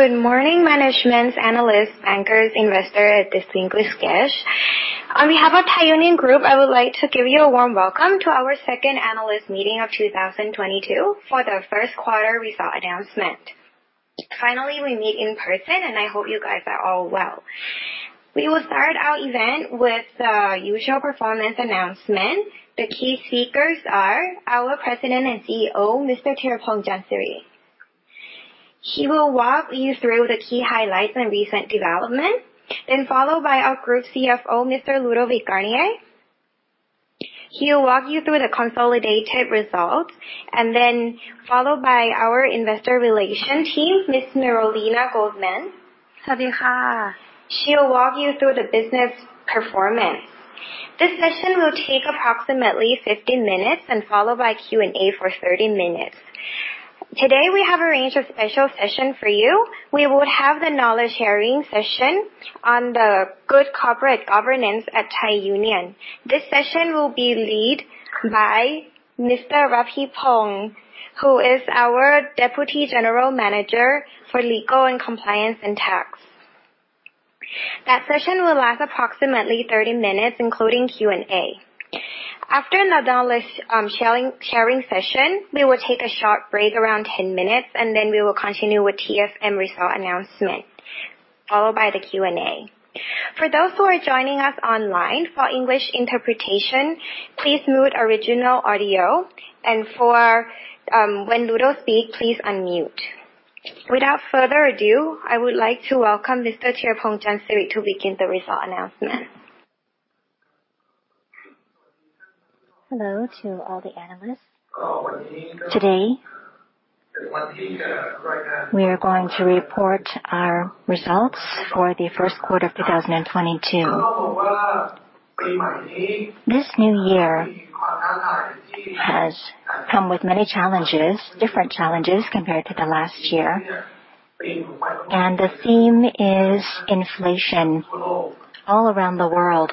Good morning, management, analysts, bankers, investors. On behalf of Thai Union Group, I would like to give you a warm welcome to our second analyst meeting of 2022 for the first quarter results announcement. Finally, we meet in person, and I hope you guys are all well. We will start our event with the usual performance announcement. The key speakers are our President and CEO, Mr. Thiraphong Chansiri. He will walk you through the key highlights and recent development, then followed by our Group CFO, Mr. Ludovic Garnier. He'll walk you through the consolidated results and then followed by our investor relations team, Ms. Neroli Goldman. She'll walk you through the business performance. This session will take approximately 50 minutes and followed by Q&A for 30 minutes. Today, we have arranged a special session for you. We would have the knowledge sharing session on the good corporate governance at Thai Union. This session will be led by Mr. Rapipong, who is our Deputy General Manager for Legal and Compliance and Tax. That session will last approximately 30 minutes, including Q&A. After the knowledge sharing session, we will take a short break around 10 minutes, and then we will continue with TFM result announcement, followed by the Q&A. For those who are joining us online, for English interpretation, please mute original audio and for when Ludo speak, please unmute. Without further ado, I would like to welcome Mr. Thiraphong Chansiri to begin the result announcement. Hello to all the analysts. Today, we are going to report our results for the first quarter of 2022. This new year has come with many challenges, different challenges compared to the last year, and the theme is inflation all around the world,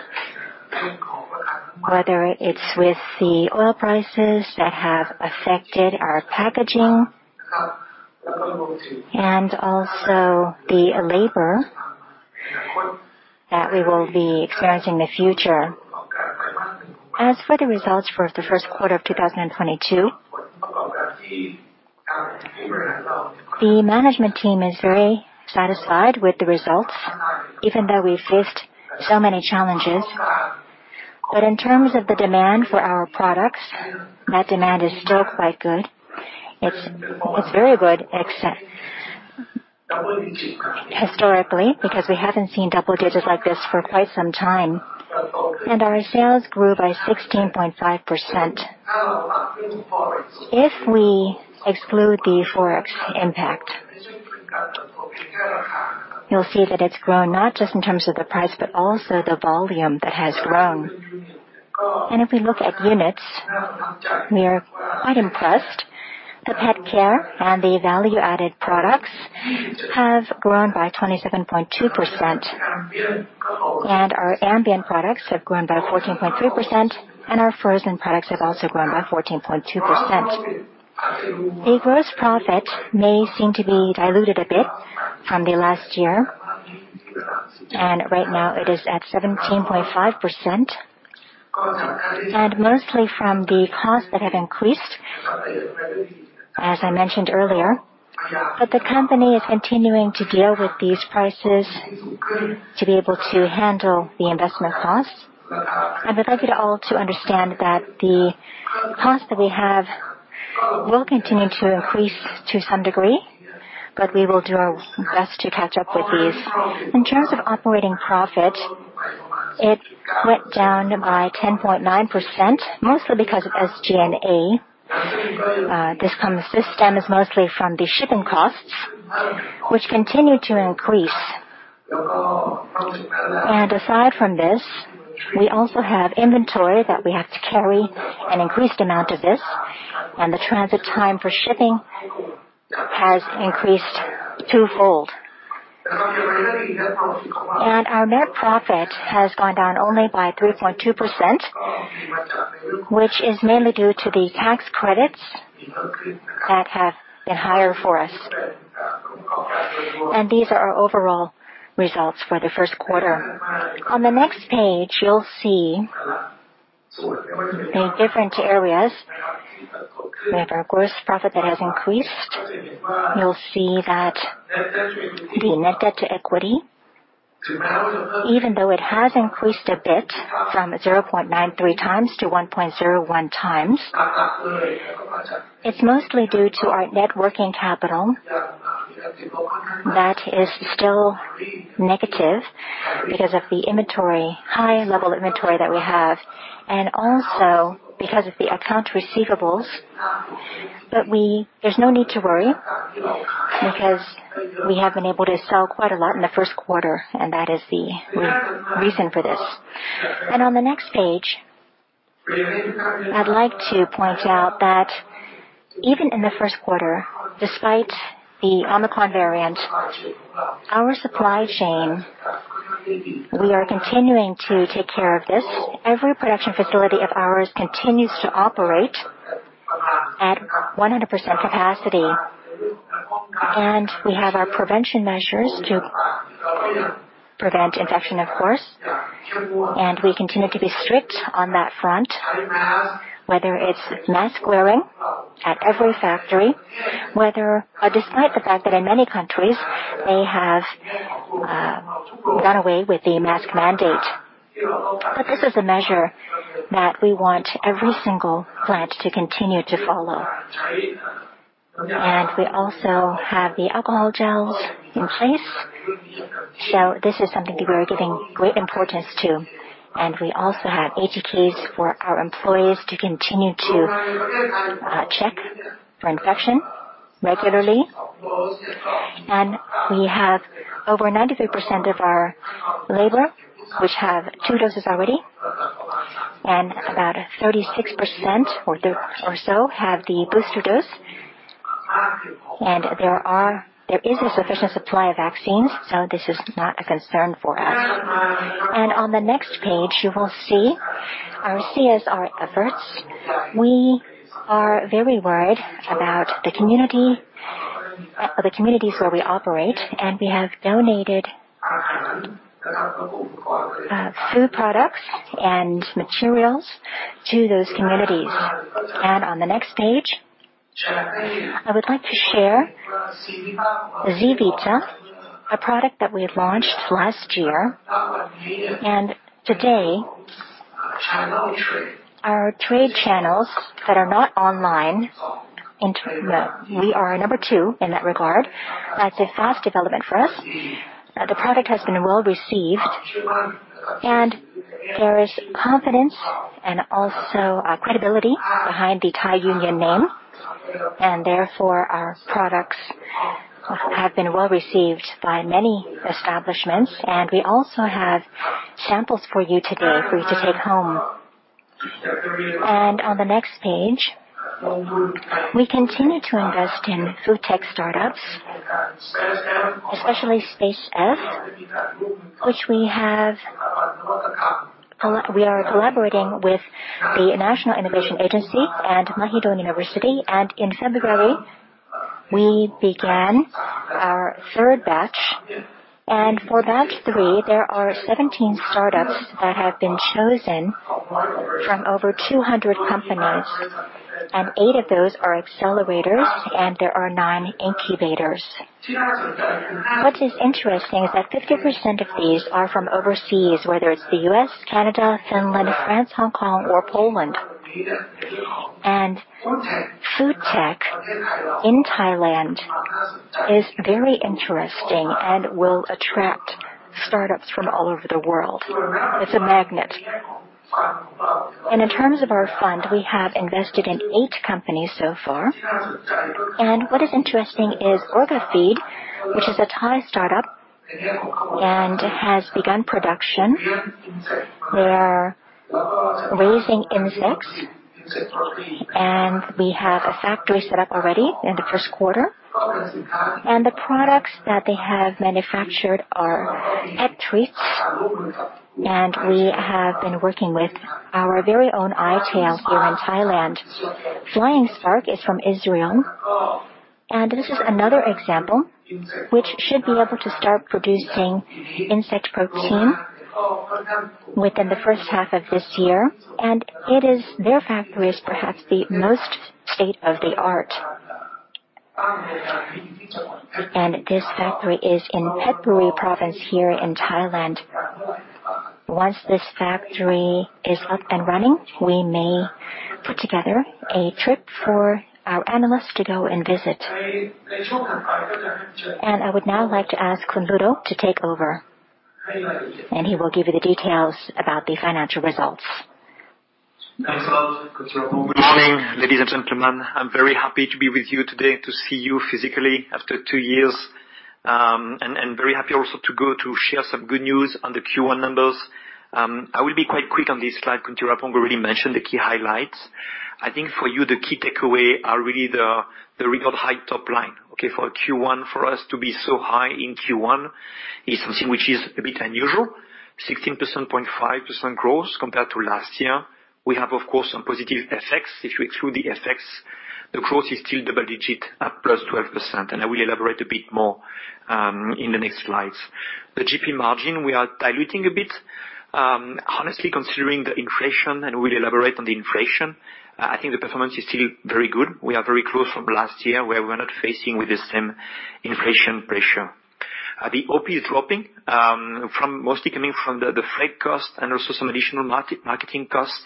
whether it's with the oil prices that have affected our packaging and also the labor that we will be experiencing in the future. As for the results for the first quarter of 2022, the management team is very satisfied with the results, even though we faced so many challenges. In terms of the demand for our products, that demand is still quite good. It's very good, in fact historically, because we haven't seen double digits like this for quite some time. Our sales grew by 16.5%. If we exclude the Forex impact, you'll see that it's grown not just in terms of the price, but also the volume that has grown. If we look at units, we are quite impressed. The pet care and the value-added products have grown by 27.2%. Our ambient products have grown by 14.3%, and our frozen products have also grown by 14.2%. The gross profit may seem to be diluted a bit from the last year, and right now it is at 17.5%, and mostly from the costs that have increased, as I mentioned earlier. The company is continuing to deal with these prices to be able to handle the investment costs. I would like you to all to understand that the costs that we have will continue to increase to some degree, but we will do our best to catch up with these. In terms of operating profit, it went down by 10.9%, mostly because of SG&A. This term is mostly from the shipping costs, which continue to increase. Aside from this, we also have inventory that we have to carry an increased amount of this, and the transit time for shipping has increased twofold. Our net profit has gone down only by 3.2%, which is mainly due to the tax credits that have been higher for us. These are our overall results for the first quarter. On the next page, you'll see the different areas. We have our gross profit that has increased. You'll see that the net debt to equity, even though it has increased a bit from 0.93x to 1.01x, it's mostly due to our net working capital that is still negative because of the inventory, high level inventory that we have, and also because of the account receivables. There's no need to worry because we have been able to sell quite a lot in the first quarter, and that is the reason for this. On the next page, I'd like to point out that even in the first quarter, despite the Omicron variant, our supply chain, we are continuing to take care of this. Every production facility of ours continues to operate at 100% capacity. We have our prevention measures to prevent infection, of course. We continue to be strict on that front, whether it's mask-wearing at every factory, whether despite the fact that in many countries they have done away with the mask mandate. This is a measure that we want every single plant to continue to follow. We also have the alcohol gels in place. This is something that we are giving great importance to, and we also have ATKs for our employees to continue to check for infection regularly. We have over 93% of our labor which have two doses already, and about 36% or so have the booster dose. There is a sufficient supply of vaccines, so this is not a concern for us. On the next page, you will see our CSR efforts. We are very worried about the community, the communities where we operate, and we have donated, food products and materials to those communities. On the next page, I would like to share ZEAVITA, a product that we had launched last year. Today, our trade channels that are not online. We are number two in that regard. That's a fast development for us. The product has been well-received, and there is confidence and also, credibility behind the Thai Union name. Therefore, our products have been well-received by many establishments, and we also have samples for you today for you to take home. On the next page, we continue to invest in food tech startups, especially SPACE-F, which we have a lot. We are collaborating with the National Innovation Agency and Mahidol University. In February, we began our third batch. For batch three, there are 17 startups that have been chosen from over 200 companies, and eight of those are accelerators, and there are nine incubators. What is interesting is that 50% of these are from overseas, whether it's the U.S., Canada, Finland, France, Hong Kong, or Poland. Food tech in Thailand is very interesting and will attract startups from all over the world. It's a magnet. In terms of our fund, we have invested in eight companies so far. What is interesting is Orgafeed, which is a Thai startup and has begun production. They are raising insects, and we have a factory set up already in the first quarter. The products that they have manufactured are pet treats, and we have been working with our very own i-Tail here in Thailand. Flying Spark is from Israel, and this is another example which should be able to start producing insect protein within the first half of this year. Their factory is perhaps the most state-of-the-art. This factory is in Phetchaburi Province here in Thailand. Once this factory is up and running, we may put together a trip for our analysts to go and visit. I would now like to ask Khun Ludo to take over, and he will give you the details about the financial results. Thanks, Thiraphong. Good morning, ladies and gentlemen. I'm very happy to be with you today to see you physically after two years, and very happy also to share some good news on the Q1 numbers. I will be quite quick on this slide. Khun Rapipong already mentioned the key highlights. I think for you, the key takeaway are really the record high top line, okay. For Q1 for us to be so high in Q1 is something which is a bit unusual. 16.5% growth compared to last year. We have, of course, some positive effects. If you exclude the effects, the growth is still double-digit at +12%, and I will elaborate a bit more in the next slides. The GP margin, we are diluting a bit. Honestly, considering the inflation, and we'll elaborate on the inflation, I think the performance is still very good. We are very close to last year, where we're not facing with the same inflation pressure. The OP is dropping, mostly coming from the freight cost and also some additional marketing costs.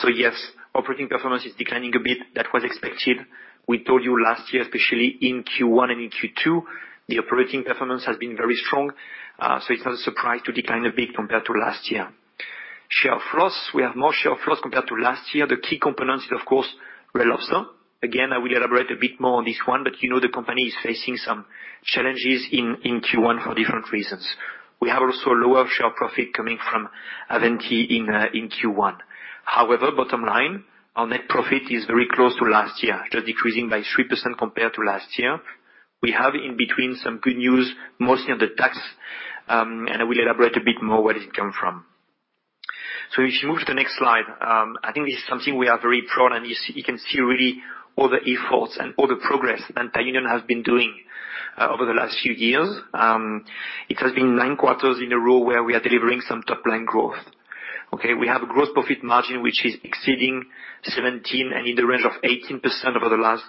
So yes, operating performance is declining a bit. That was expected. We told you last year, especially in Q1 and in Q2, the operating performance has been very strong, so it's not a surprise to decline a bit compared to last year. Share of loss. We have more share of loss compared to last year. The key components is of course Red Lobster. Again, I will elaborate a bit more on this one, but you know the company is facing some challenges in Q1 for different reasons. We have also lower share profit coming from Avanti in Q1. However, bottom line, our net profit is very close to last year. Just decreasing by 3% compared to last year. We have in between some good news, mostly on the tax, and I will elaborate a bit more where does it come from. If you move to the next slide, I think this is something we are very proud, and you can see really all the efforts and all the progress that Thai Union has been doing over the last few years. It has been nine quarters in a row where we are delivering some top line growth. Okay, we have a gross profit margin which is exceeding 17, and in the range of 18% over the last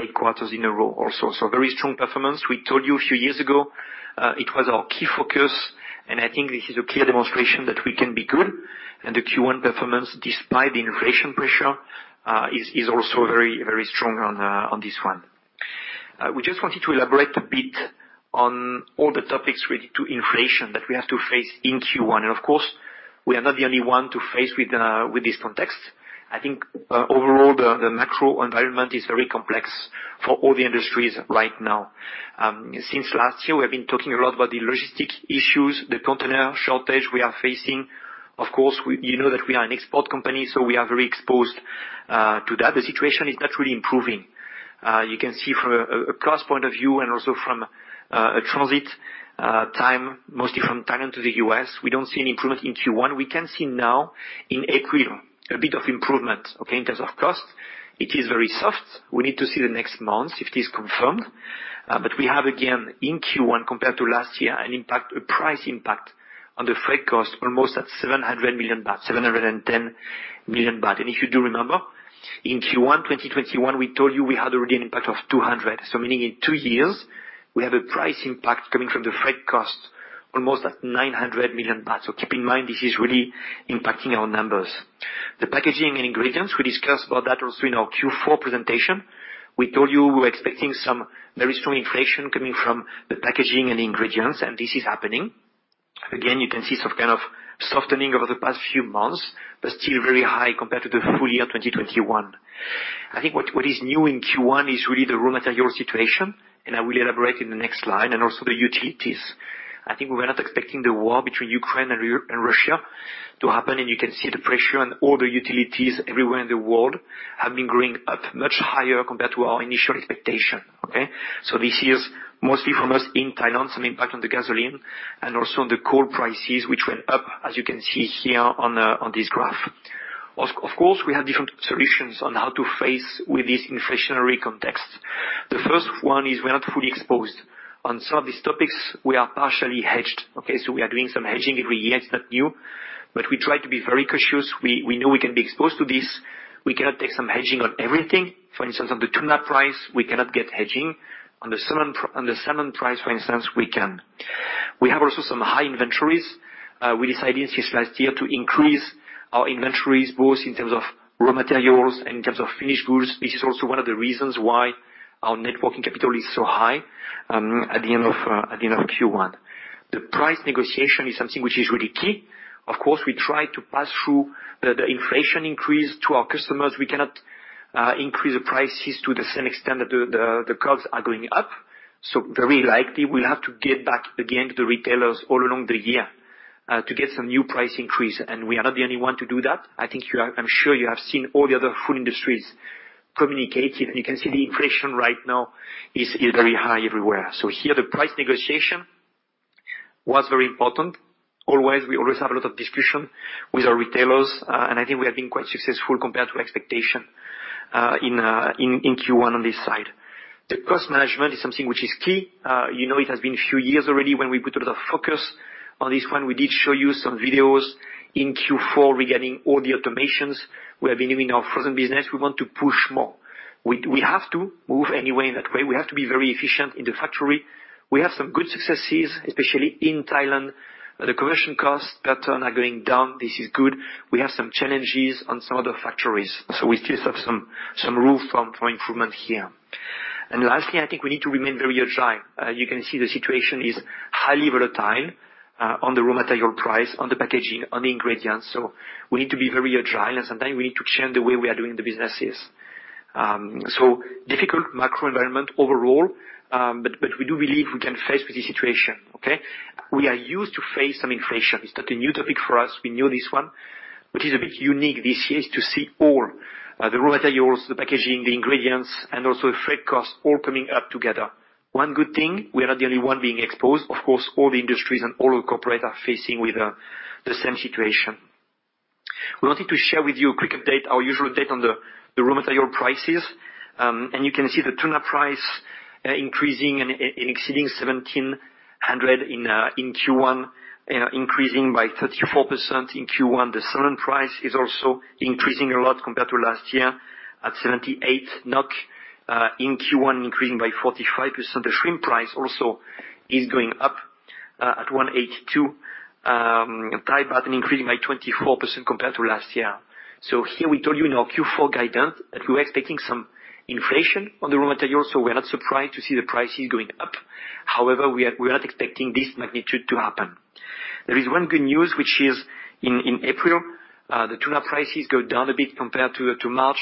eight quarters in a row also. Very strong performance. We told you a few years ago, it was our key focus, and I think this is a clear demonstration that we can be good, and the Q1 performance, despite the inflation pressure, is also very, very strong on this one. We just wanted to elaborate a bit on all the topics related to inflation that we have to face in Q1. Of course, we are not the only one to face with this context. I think, overall, the macro environment is very complex for all the industries right now. Since last year, we have been talking a lot about the logistics issues, the container shortage we are facing. Of course, you know that we are an export company, so we are very exposed, to that. The situation is not really improving. You can see from a cost point of view and also from a transit time, mostly from Thailand to the U.S., we don't see an improvement in Q1. We can see now in April a bit of improvement, okay, in terms of cost. It is very soft. We need to see the next months if it is confirmed. But we have, again, in Q1 compared to last year, an impact, a price impact on the freight cost, almost at 700 million baht, 710 million baht. If you do remember, in Q1 2021, we told you we had already an impact of 200 million. Meaning in two years, we have a price impact coming from the freight cost, almost at 900 million baht. Keep in mind, this is really impacting our numbers. The packaging and ingredients, we discussed about that also in our Q4 presentation. We told you we're expecting some very strong inflation coming from the packaging and ingredients, and this is happening. Again, you can see some kind of softening over the past few months, but still very high compared to the full year 2021. I think what is new in Q1 is really the raw material situation, and I will elaborate in the next slide, and also the utilities. I think we were not expecting the war between Ukraine and Russia to happen, and you can see the pressure on all the utilities everywhere in the world have been going up much higher compared to our initial expectation, okay? This is mostly from us in Thailand, some impact on the gasoline and also on the coal prices, which went up, as you can see here on this graph. Of course, we have different solutions on how to face with this inflationary context. The first one is we are not fully exposed. On some of these topics, we are partially hedged, okay? We are doing some hedging every year, it's not new, but we try to be very cautious. We know we can be exposed to this. We cannot take some hedging on everything. For instance, on the tuna price, we cannot get hedging. On the salmon price, for instance, we can. We have also some high inventories. We decided since last year to increase our inventories, both in terms of raw materials, in terms of finished goods. This is also one of the reasons why our net working capital is so high at the end of Q1. The price negotiation is something which is really key. Of course, we try to pass through the inflation increase to our customers. We cannot increase the prices to the same extent that the costs are going up. Very likely we'll have to get back again to retailers all along the year to get some new price increase. We are not the only one to do that. I think I'm sure you have seen all the other food industries communicate it, and you can see the inflation right now is very high everywhere. Here, the price negotiation was very important. Always, we always have a lot of discussion with our retailers, and I think we have been quite successful compared to expectation in Q1 on this side. The cost management is something which is key. You know, it has been a few years already when we put a lot of focus on this one. We did show you some videos in Q4 regarding all the automations we have been doing in our frozen business. We want to push more. We have to move anyway in that way. We have to be very efficient in the factory. We have some good successes, especially in Thailand. The conversion cost pattern are going down. This is good. We have some challenges on some other factories, so we still have some room for improvement here. Lastly, I think we need to remain very agile. You can see the situation is highly volatile on the raw material price, on the packaging, on the ingredients. We need to be very agile, and sometimes we need to change the way we are doing the businesses. Difficult macro environment overall, but we do believe we can face with this situation, okay? We are used to face some inflation. It's not a new topic for us. We knew this one. What is a bit unique this year is to see all the raw materials, the packaging, the ingredients, and also freight costs all coming up together. One good thing, we are not the only one being exposed. Of course, all the industries and all the corporate are facing with the same situation. We wanted to share with you a quick update, our usual update on the raw material prices. You can see the tuna price increasing and exceeding $1,700 in Q1, increasing by 34% in Q1. The salmon price is also increasing a lot compared to last year at 78 NOK in Q1, increasing by 45%. The shrimp price also is going up at 182 THB and increasing by 24% compared to last year. Here we told you in our Q4 guidance that we were expecting some inflation on the raw materials, so we are not surprised to see the prices going up. However, we are not expecting this magnitude to happen. There is one good news, which is in April the tuna prices go down a bit compared to March.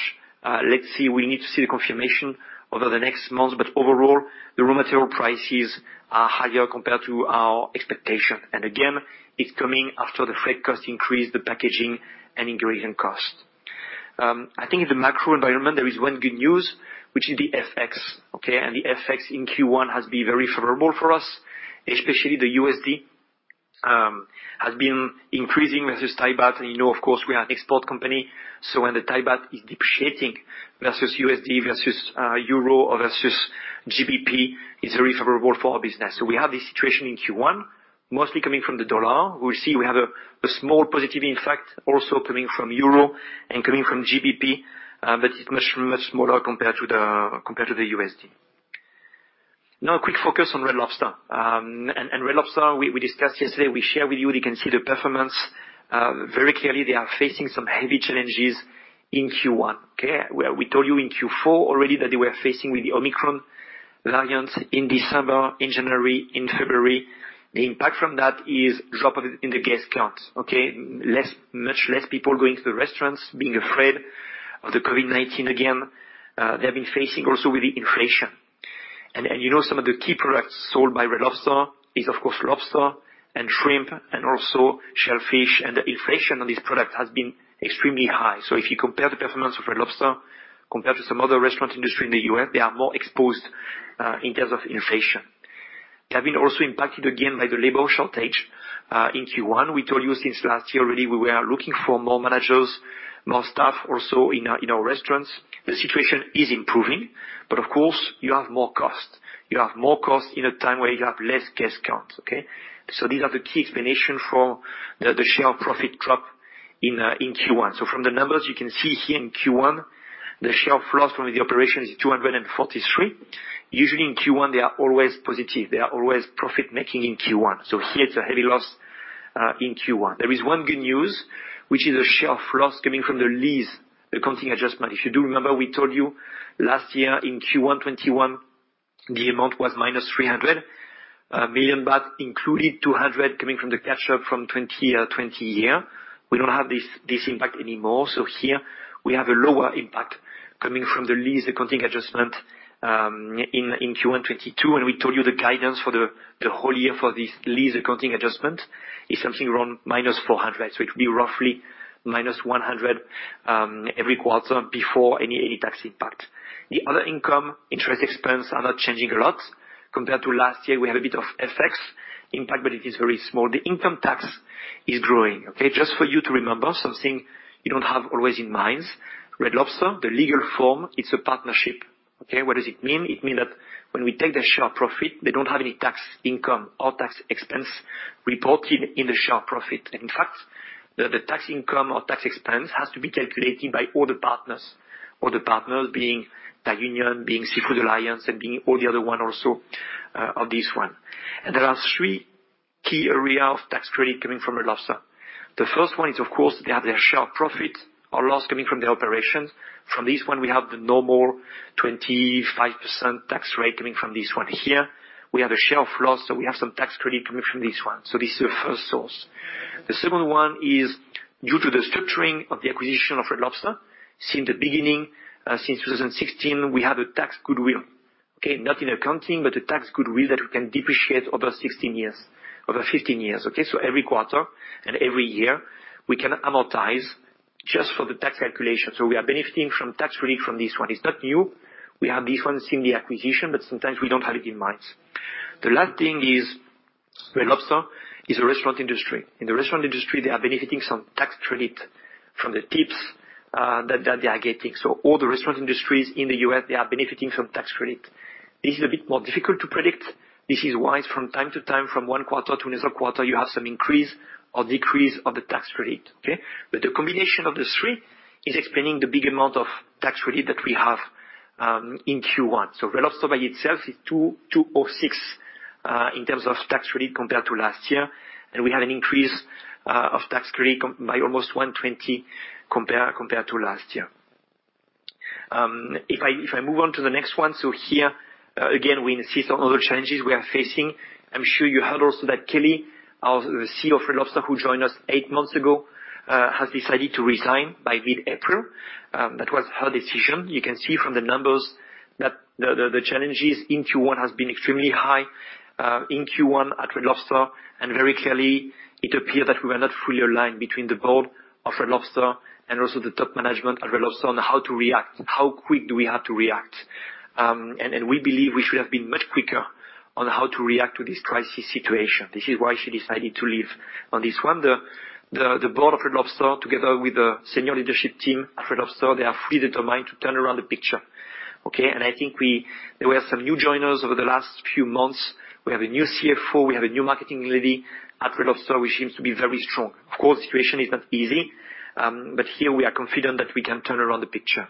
We need to see the confirmation over the next months. Overall, the raw material prices are higher compared to our expectation. Again, it's coming after the freight cost increase, the packaging and ingredient cost. I think the macro environment, there is one good news, which is the FX, okay? The FX in Q1 has been very favorable for us, especially the U.S. dollar has been increasing versus Thai baht. You know, of course, we are an export company, so when the Thai baht is depreciating versus U.S. dollar, versus euro or versus pound, it's very favorable for our business. We have this situation in Q1, mostly coming from the dollar. We see a small positive impact also coming from euro and coming from pound, but it's much, much smaller compared to the USD. Now, a quick focus on Red Lobster. Red Lobster, we discussed yesterday. We share with you can see the performance. Very clearly, they are facing some heavy challenges in Q1. We told you in Q4 already that they were facing with the Omicron variant in December, in January, in February. The impact from that is drop in the guest count. Much less people going to the restaurants, being afraid of the COVID-19 again. They've been facing also with the inflation. You know some of the key products sold by Red Lobster is, of course, lobster and shrimp and also shellfish. The inflation on this product has been extremely high. If you compare the performance of Red Lobster compared to some other restaurant industry in the U.S., they are more exposed in terms of inflation. They have been also impacted again by the labor shortage in Q1. We told you since last year already we were looking for more managers, more staff also in our restaurants. The situation is improving, but of course, you have more costs. You have more costs in a time where you have less guest counts, okay. These are the key explanation for the share profit drop in Q1. From the numbers you can see here in Q1, the share of loss from the operation is 243. Usually in Q1, they are always positive. They are always profit-making in Q1. Here it's a heavy loss in Q1. There is one good news, which is a share of loss coming from the lease accounting adjustment. If you do remember, we told you last year in Q1 2021, the amount was -300 million baht, including 200 coming from the catch-up from 2020. We don't have this impact anymore. Here we have a lower impact coming from the lease accounting adjustment in Q1 2022. We told you the guidance for the whole year for this lease accounting adjustment is something around -400 million. It will be roughly -100 million every quarter before any tax impact. The other income interest expense are not changing a lot. Compared to last year, we have a bit of FX impact, but it is very small. The income tax is growing. Just for you to remember, something you don't have always in mind, Red Lobster, the legal form, it's a partnership. What does it mean? It means that when we take the share profit, they don't have any tax income or tax expense reported in the share profit. In fact, the tax income or tax expense has to be calculated by all the partners, all the partners being Thai Union, being Seafood Alliance, and being all the other one also, of this one. There are three key area of tax credit coming from Red Lobster. The first one is, of course, they have their share profit or loss coming from the operations. From this one, we have the normal 25% tax rate coming from this one here. We have a share of loss, so we have some tax credit coming from this one. This is the first source. The second one is due to the structuring of the acquisition of Red Lobster. Since the beginning, since 2016, we have a tax goodwill, okay? Not in accounting, but a tax goodwill that we can depreciate over 16 years, over 15 years, okay? Every quarter and every year, we can amortize just for the tax calculation. We are benefiting from tax relief from this one. It's not new. We have this one since the acquisition, but sometimes we don't have it in mind. The last thing is Red Lobster is a restaurant industry. In the restaurant industry, they are benefiting some tax credit from the tips, that they are getting. All the restaurant industries in the U.S., they are benefiting from tax credit. This is a bit more difficult to predict. This is why from time to time, from one quarter to another quarter, you have some increase or decrease of the tax credit, okay? The combination of the three is explaining the big amount of tax credit that we have in Q1. Red Lobster by itself is $206 in terms of tax credit compared to last year. We have an increase of tax credit by almost $120 compared to last year. If I move on to the next one. Here, again, we insist on other challenges we are facing. I'm sure you heard also that Kelli, our CEO of Red Lobster, who joined us eight months ago, has decided to resign by mid-April. That was her decision. You can see from the numbers that the challenges in Q1 has been extremely high in Q1 at Red Lobster. Very clearly, it appeared that we were not fully aligned between the board of Red Lobster and also the top management at Red Lobster on how to react, how quick do we have to react. We believe we should have been much quicker on how to react to this crisis situation. This is why she decided to leave. On this one, the board of Red Lobster, together with the senior leadership team at Red Lobster, they are fully determined to turn around the picture, okay? I think there were some new joiners over the last few months. We have a new CFO, we have a new marketing lady at Red Lobster, which seems to be very strong. Of course, the situation is not easy, but here we are confident that we can turn around the picture.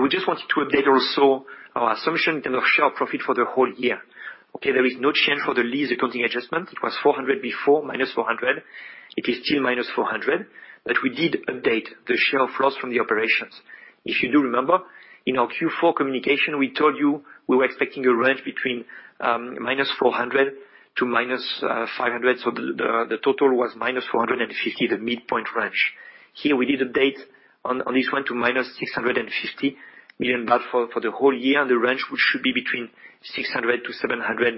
We just wanted to update also our assumption in terms of share profit for the whole year. Okay, there is no change for the lease accounting adjustment. It was -400 million before, -400 million. It is still -400 million. We did update the share of loss from the operations. If you do remember, in our Q4 communication, we told you we were expecting a range between -400 million to -500 million. The total was -450 million, the midpoint range. Here we did update on this one to -650 million baht for the whole year, and the range, which should be between -600 million to -700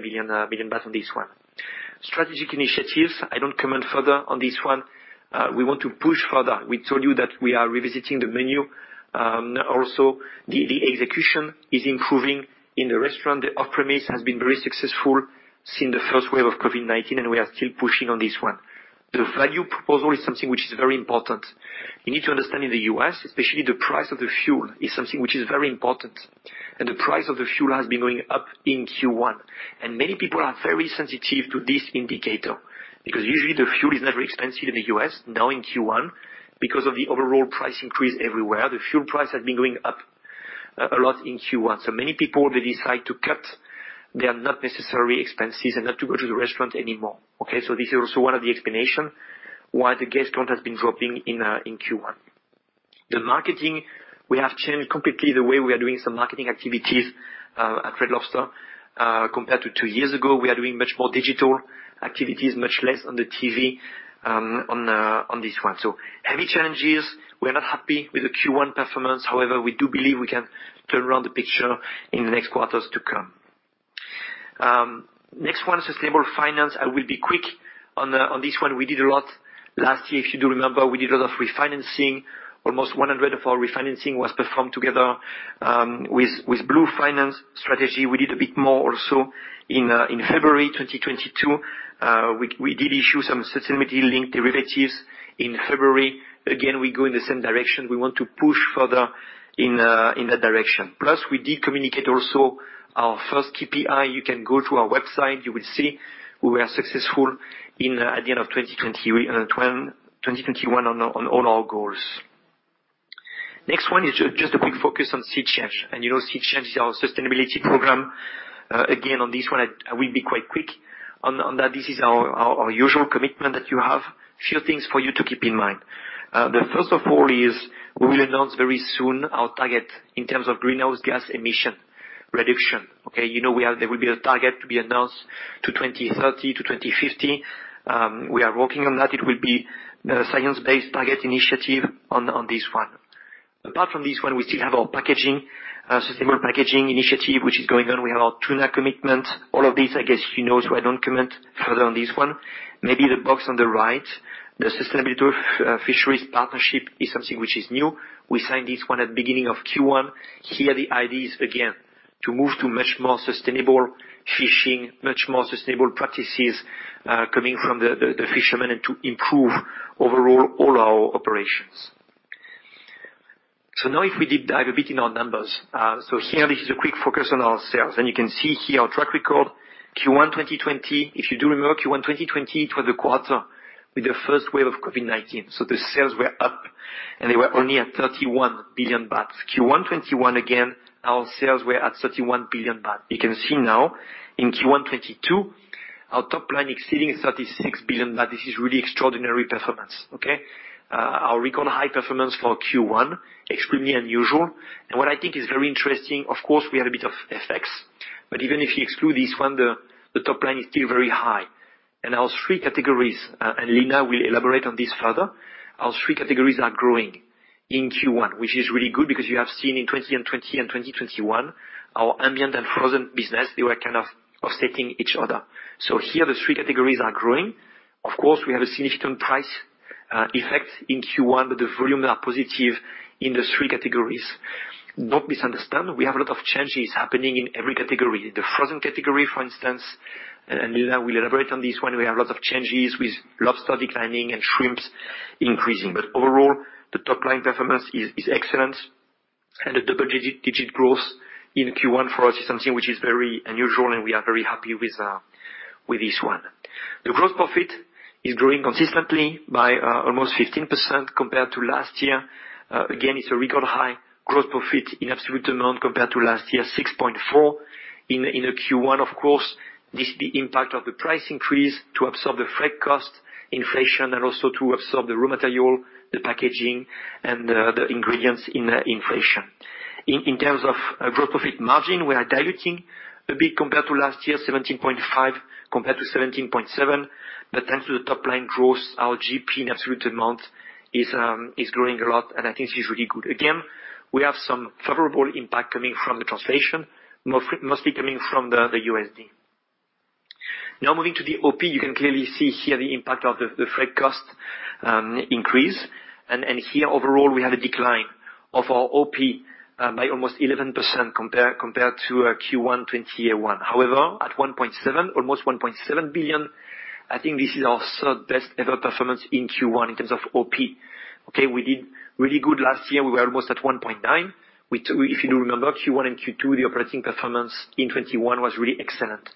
million baht on this one. Strategic initiatives. I don't comment further on this one. We want to push further. We told you that we are revisiting the menu, also the execution is improving in the restaurant. The off-premise has been very successful since the first wave of COVID-19, and we are still pushing on this one. The value proposal is something which is very important. You need to understand in the U.S., especially the price of the fuel is something which is very important, and the price of the fuel has been going up in Q1. Many people are very sensitive to this indicator because usually the fuel is never expensive in the U.S. Now in Q1, because of the overall price increase everywhere, the fuel price has been going up a lot in Q1. Many people they decide to cut their not necessary expenses and not to go to the restaurant anymore, okay? This is also one of the explanation why the guest count has been dropping in Q1. The marketing, we have changed completely the way we are doing some marketing activities at Red Lobster compared to two years ago, we are doing much more digital activities, much less on the TV, on this one. Heavy challenges, we are not happy with the Q1 performance. However, we do believe we can turn around the picture in the next quarters to come. Next one, sustainable finance. I will be quick on this one. We did a lot last year. If you do remember, we did a lot of refinancing. Almost 100% of our refinancing was performed together with Blue Finance strategy. We did a bit more or so in February 2022. We did issue some sustainability-linked derivatives in February. Again, we go in the same direction. We want to push further in that direction. Plus, we did communicate also our first KPI. You can go to our website. You will see we were successful in at the end of 2021 on all our goals. Next one is just a quick focus on SeaChange. You know, SeaChange is our sustainability program. Again, on this one, I will be quite quick on that. This is our usual commitment that you have. Few things for you to keep in mind. The first of all is we will announce very soon our target in terms of greenhouse gas emission reduction, okay? You know, there will be a target to be announced to 2030, to 2050. We are working on that. It will be a Science Based Targets initiative on this one. Apart from this one, we still have our packaging, sustainable packaging initiative, which is going on. We have our tuna commitment. All of these, I guess, you know, so I don't comment further on this one. Maybe the box on the right, the Sustainable Fisheries Partnership is something which is new. We signed this one at beginning of Q1. Here the idea is again, to move to much more sustainable fishing, much more sustainable practices, coming from the fishermen and to improve overall our operations. Now if we did dive a bit in our numbers. Here, this is a quick focus on our sales, and you can see here our track record, Q1 2020. If you do remember Q1 2020, it was the quarter with the first wave of COVID-19. The sales were up, and they were only at 31 billion baht. Q1 2021, again, our sales were at 31 billion baht. You can see now in Q1 2022, our top line exceeding 36 billion baht. This is really extraordinary performance, okay. Our record high performance for Q1, extremely unusual. What I think is very interesting, of course, we have a bit of effects, but even if you exclude this one, the top line is still very high. Our three categories, and Lina will elaborate on this further. Our three categories are growing in Q1, which is really good because you have seen in 2020 and 2021 our ambient and frozen business, they were kind of offsetting each other. Here the three categories are growing. Of course, we have a significant price effect in Q1. The volume are positive in the three categories. Don't misunderstand, we have a lot of changes happening in every category. The frozen category, for instance, and Neroli Goldman will elaborate on this one. We have lots of changes with lobster declining and shrimps increasing. Overall, the top line performance is excellent. The double digit growth in Q1 for us is something which is very unusual, and we are very happy with this one. The gross profit is growing consistently by almost 15% compared to last year. Again, it's a record high gross profit in absolute amount compared to last year, 6.4. In the Q1, of course, this is the impact of the price increase to absorb the freight cost, inflation, and also to absorb the raw material, the packaging, and the ingredients in the inflation. In terms of gross profit margin, we are diluting a bit compared to last year, 17.5% compared to 17.7%. Thanks to the top line growth, our GP in absolute amount is growing a lot, and I think this is really good. Again, we have some favorable impact coming from the translation, mostly coming from the USD. Now moving to the OP, you can clearly see here the impact of the freight cost increase. Here overall, we have a decline of our OP by almost 11% compared to Q1 2021. However, at 1.7, almost 1.7 billion, I think this is our third best ever performance in Q1 in terms of OP, okay? We did really good last year. We were almost at 1.9. If you do remember, Q1 and Q2, the operating performance in 2021 was really excellent.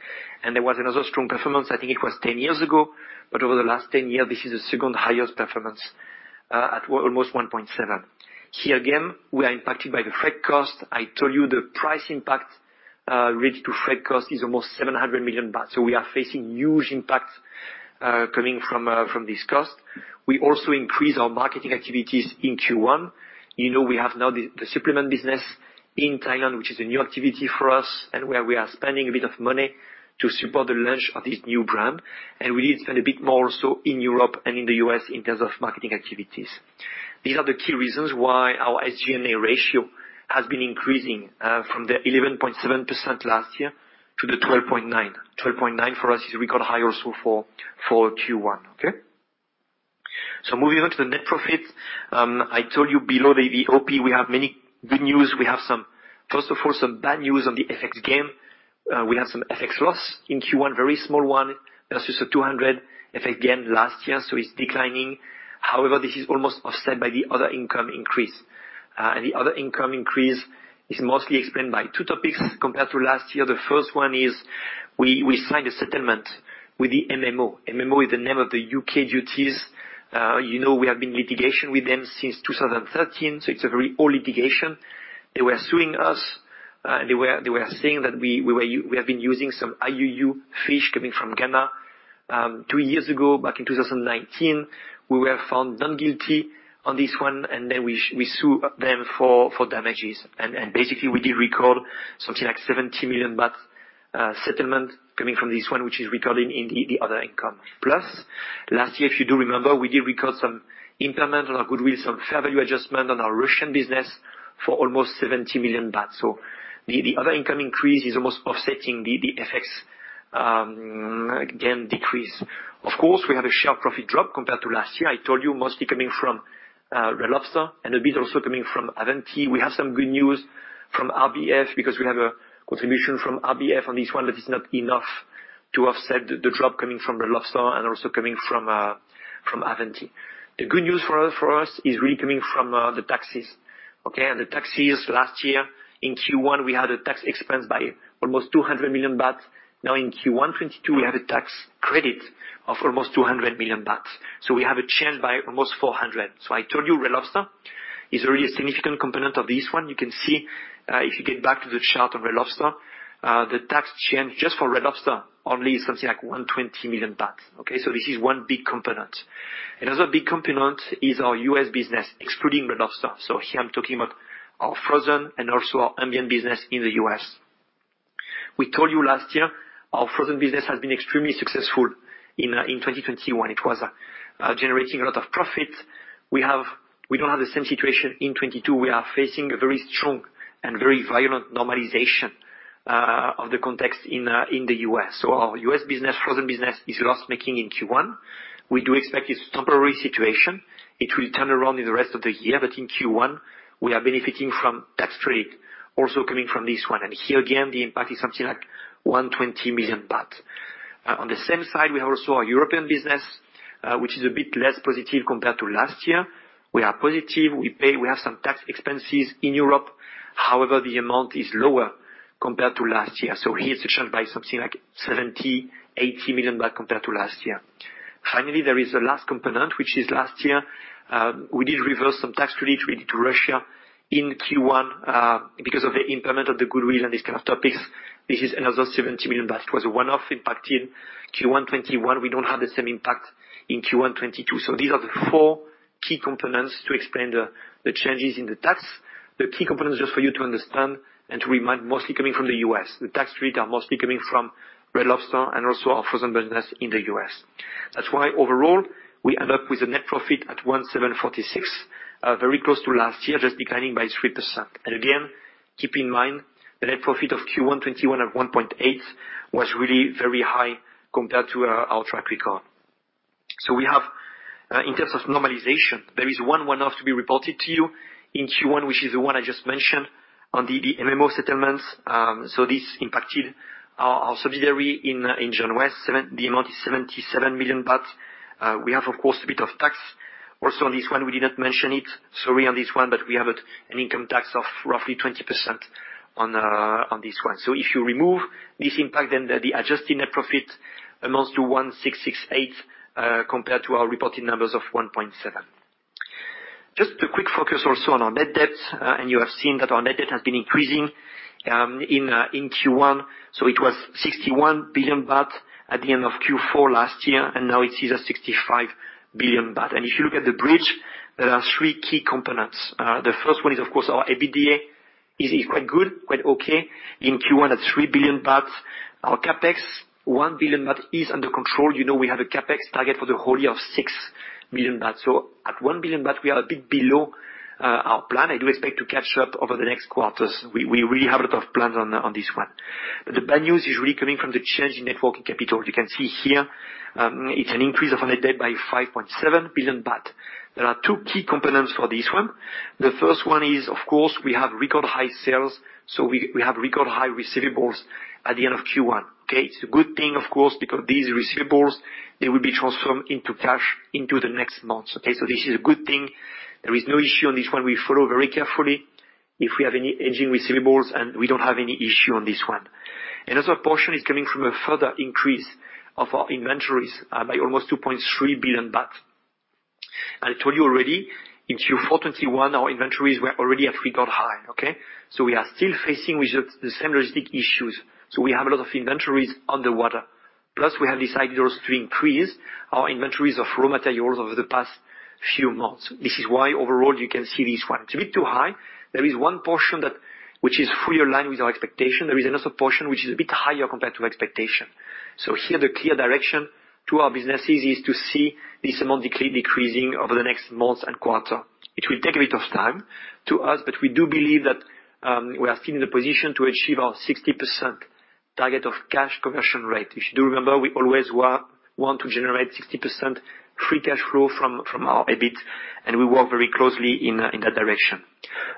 There was another strong performance, I think it was 10 years ago. Over the last ten year, this is the second highest performance at almost 1.7. Here again, we are impacted by the freight cost. I told you the price impact related to freight cost is almost 700 million baht. We are facing huge impacts coming from from this cost. We also increase our marketing activities in Q1. You know, we have now the supplement business in Thailand, which is a new activity for us and where we are spending a bit of money to support the launch of this new brand. We did spend a bit more also in Europe and in the U.S. in terms of marketing activities. These are the key reasons why our SG&A ratio has been increasing from the 11.7% last year to the 12.9%. 12.9% for us is record high also for Q1. Okay? Moving on to the net profit. I told you below the OP, we have many good news. We have some. First of all, some bad news on the FX gain. We have some FX loss in Q1, very small one. Versus a 200 FX gain last year, so it's declining. However, this is almost offset by the other income increase. The other income increase is mostly explained by two topics compared to last year. The first one is we signed a settlement with the MMO. MMO is the name of the U.K. authority. You know, we have been in litigation with them since 2013, so it's a very old litigation. They were suing us, they were saying that we have been using some IUU fish coming from Ghana. Two years ago, back in 2019, we were found not guilty on this one, and then we sue them for damages. Basically, we did record something like 70 million baht settlement coming from this one, which is recording in the other income. Plus, last year, if you do remember, we did record some impairment on our goodwill, some fair value adjustment on our Russian business for almost 70 million baht. The other income increase is almost offsetting the FX again decrease. Of course, we have a sharp profit drop compared to last year. I told you mostly coming from Red Lobster and a bit also coming from Avanti. We have some good news from RBF because we have a contribution from RBF on this one that is not enough to offset the drop coming from Red Lobster and also coming from Avanti. The good news for us is really coming from the taxes. Okay. The taxes last year in Q1, we had a tax expense by almost 200 million baht. Now in Q1 2022, we have a tax credit of almost 200 million baht. We have a change by almost 400 million. I told you Red Lobster is a really significant component of this one. You can see, if you get back to the chart of Red Lobster, the tax change just for Red Lobster only is something like 120 million baht. Okay. This is one big component. Another big component is our U.S. business, excluding Red Lobster. Here I'm talking about our frozen and also our ambient business in the U.S. We told you last year, our frozen business has been extremely successful in 2021. It was generating a lot of profit. We don't have the same situation in 2022. We are facing a very strong and very violent normalization of the context in the U.S. Our U.S. business, frozen business, is loss-making in Q1. We do expect it's temporary situation. It will turn around in the rest of the year, but in Q1, we are benefiting from tax trade also coming from this one. Here again, the impact is something like 120 million baht. On the same side, we have also our European business, which is a bit less positive compared to last year. We are positive, we pay, we have some tax expenses in Europe. However, the amount is lower compared to last year. Here it's changed by something like 70-80 million compared to last year. Finally, there is a last component, which is last year, we did reverse some tax credit related to Russia in Q1, because of the impairment of the goodwill and these kind of topics. This is another 70 million. It was a one-off impact in Q1 2021. We don't have the same impact in Q1 2022. These are the four key components to explain the changes in the tax. The key components just for you to understand and to remind, mostly coming from the U.S. The tax rate are mostly coming from Red Lobster and also our frozen business in the U.S. That's why overall, we end up with a net profit at 1,746 million, very close to last year, just declining by 3%. Keep in mind the net profit of Q1 2021 at 1.8 billion was really very high compared to our track record. In terms of normalization, there is one-off to be reported to you in Q1, which is the one I just mentioned on the MMO settlements. This impacted our subsidiary in John West. The amount is 77 million baht. We have of course a bit of tax. Also on this one, we did not mention it, sorry, on this one, but we have an income tax of roughly 20% on this one. If you remove this impact, then the adjusted net profit amounts to 1.668 billion compared to our reported numbers of 1.7 billion. Just a quick focus also on our net debt. You have seen that our net debt has been increasing in Q1. It was 61 billion baht at the end of Q4 last year, and now it is at 65 billion baht. If you look at the bridge, there are three key components. The first one is of course our EBITDA is quite good, quite okay. In Q1 at 3 billion baht. Our CapEx, 1 billion baht, is under control. You know, we have a CapEx target for the whole year of 6 billion baht. At 1 billion baht, we are a bit below our plan. I do expect to catch up over the next quarters. We really have a lot of plans on this one. The bad news is really coming from the change in net working capital. You can see here, it's an increase of net debt by 5.7 billion baht. There are two key components for this one. The first one is, of course, we have record high sales, so we have record high receivables at the end of Q1. Okay. It's a good thing, of course, because these receivables, they will be transformed into cash into the next months. Okay. So this is a good thing. There is no issue on this one. We follow very carefully if we have any aging receivables, and we don't have any issue on this one. Another portion is coming from a further increase of our inventories, by almost 2.3 billion baht. I told you already, in Q4 2021, our inventories were already at record high, okay. So we are still facing with the same logistics issues. We have a lot of inventories underwater. Plus, we have decided also to increase our inventories of raw materials over the past few months. This is why overall you can see this one. It's a bit too high. There is one portion which is fully aligned with our expectation. There is another portion which is a bit higher compared to expectation. Here, the clear direction to our businesses is to see this amount decreasing over the next months and quarter. It will take a bit of time to us, but we do believe that, we are still in the position to achieve our 60% target of cash conversion rate. If you do remember, we always want to generate 60% free cash flow from our EBIT, and we work very closely in that direction.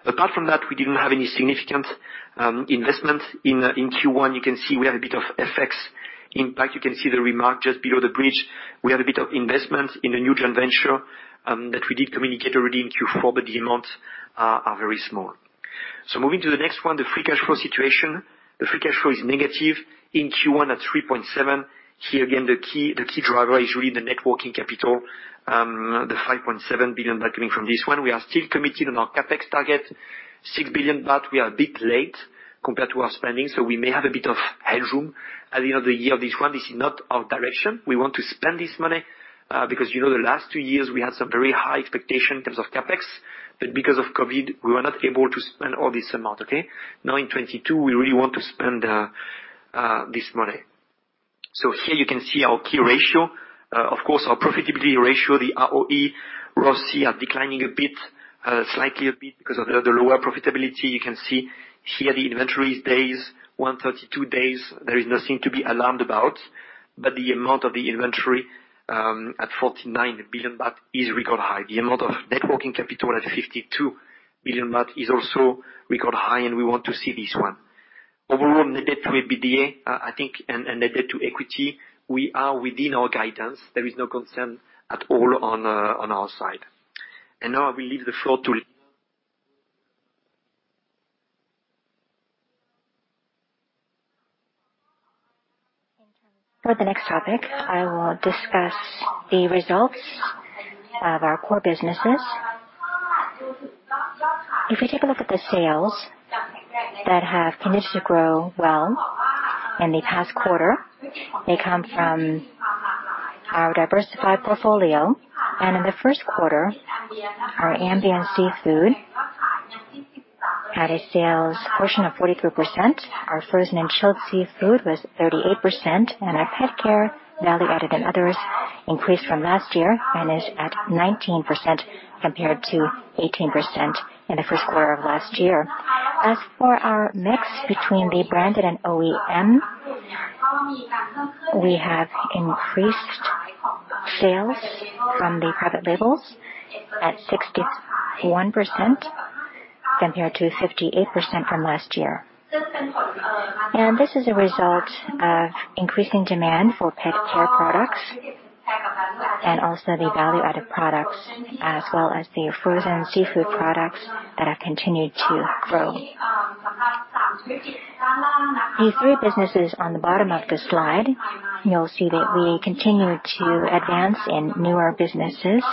Apart from that, we didn't have any significant investments in Q1. You can see we have a bit of FX impact. You can see the remark just below the bridge. We have a bit of investment in the new joint venture that we did communicate already in Q4, but the amounts are very small. Moving to the next one, the free cash flow situation. The free cash flow is negative in Q1 at 3.7 billion. Here again, the key driver is really the net working capital. The 5.7 billion baht coming from this one. We are still committed on our CapEx target, 6 billion baht, but we are a bit late compared to our spending, so we may have a bit of headroom at the end of the year. This one is not our direction. We want to spend this money, because you know, the last two years we had some very high expectation in terms of CapEx, but because of COVID, we were not able to spend all this amount, okay? Now in 2022, we really want to spend this money. Here you can see our key ratio. Of course, our profitability ratio, the ROE, ROIC are declining a bit, slightly a bit because of the lower profitability. You can see here the inventories days, 132 days. There is nothing to be alarmed about, but the amount of the inventory at 49 billion baht is record high. The amount of working capital at 52 billion baht is also record high, and we want to see this one. Overall, net debt to EBITDA, I think and net debt to equity, we are within our guidance. There is no concern at all on our side. Now I will leave the floor to. For the next topic, I will discuss the results of our core businesses. If you take a look at the sales that have continued to grow well in the past quarter, they come from our diversified portfolio. In the first quarter, our ambient seafood had a sales portion of 43%. Our frozen and chilled seafood was 38%. Our pet care value added and others increased from last year and is at 19% compared to 18% in the first quarter of last year. As for our mix between the branded and OEM, we have increased sales from the private labels at 61% compared to 58% from last year. This is a result of increasing demand for pet care products and also the value-added products as well as the frozen seafood products that have continued to grow. The three businesses on the bottom of the slide, you'll see that we continue to advance in newer businesses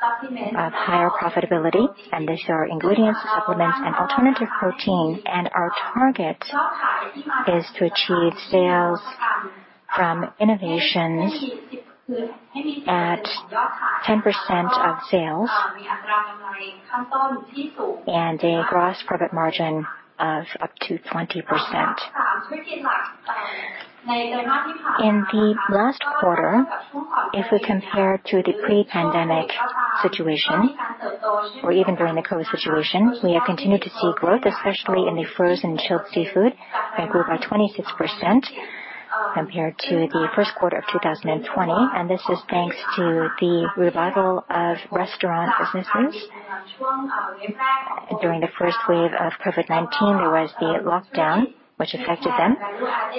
of higher profitability, and these are ingredients, supplements and alternative protein. Our target is to achieve sales from innovations at 10% of sales and a gross profit margin of up to 20%. In the last quarter, if we compare to the pre-pandemic situation or even during the COVID situation, we have continued to see growth, especially in the frozen chilled seafood that grew by 26% compared to the first quarter of 2020. This is thanks to the revival of restaurant businesses. During the first wave of COVID-19, there was the lockdown which affected them.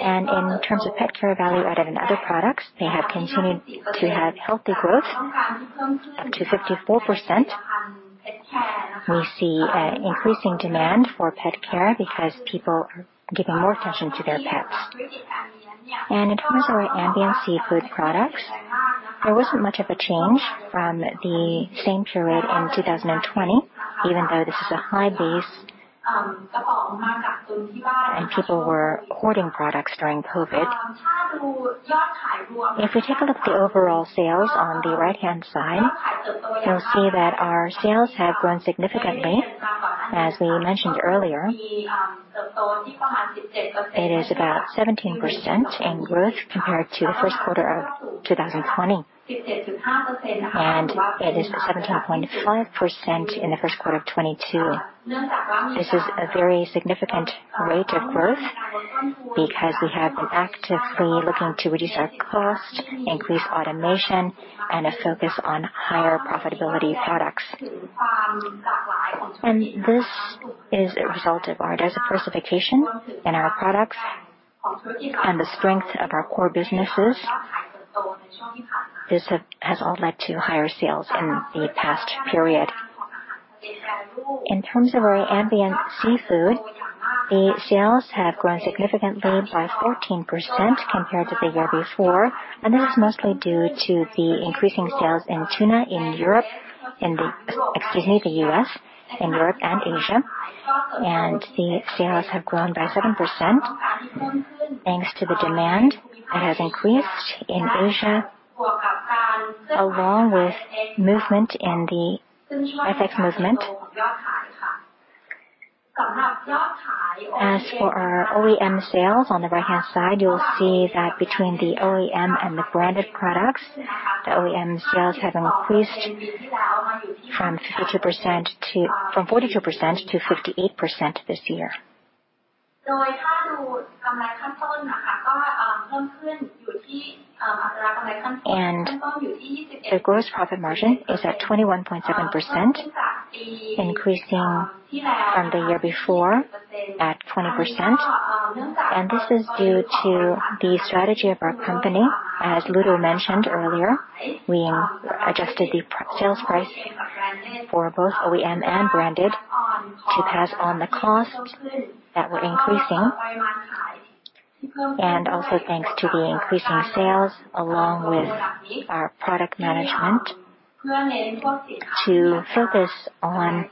In terms of pet care value added and other products, they have continued to have healthy growth, up to 54%. We see an increasing demand for pet care because people are giving more attention to their pets. In terms of our ambient seafood products, there wasn't much of a change from the same period in 2020, even though this is a high base and people were hoarding products during COVID. If we take a look at the overall sales on the right-hand side, you'll see that our sales have grown significantly, as we mentioned earlier. It is about 17% in growth compared to the first quarter of 2020. It is 17.5% in the first quarter of 2022. This is a very significant rate of growth because we have been actively looking to reduce our cost, increase automation and a focus on higher profitability products. This is a result of our diversification in our products and the strength of our core businesses. This has all led to higher sales in the past period. In terms of our ambient seafood, the sales have grown significantly by 14% compared to the year before. This is mostly due to the increasing sales in tuna in Europe, in the U.S. and Europe and Asia. The sales have grown by 7% thanks to the demand that has increased in Asia along with movement in the FX movement. As for our OEM sales on the right-hand side, you'll see that between the OEM and the branded products, the OEM sales have increased from 42% to 58% this year. The gross profit margin is at 21.7%, increasing from the year before at 20%. This is due to the strategy of our company. As Ludovic Garnier mentioned earlier, we adjusted the sales price for both OEM and branded to pass on the costs that were increasing. Also thanks to the increasing sales along with our product management to focus on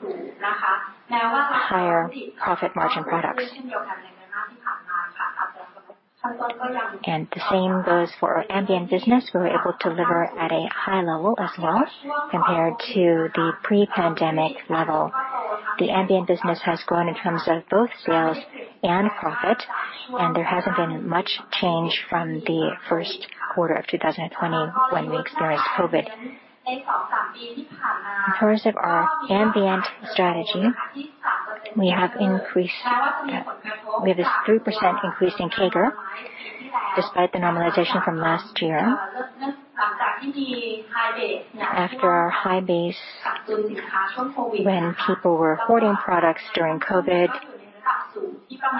higher profit margin products. The same goes for our ambient business. We were able to deliver at a high level as well compared to the pre-pandemic level. The ambient business has grown in terms of both sales and profit, and there hasn't been much change from the first quarter of 2020 when we experienced COVID. In terms of our ambient strategy, we have this 3% increase in CAGR despite the normalization from last year. After our high base when people were hoarding products during COVID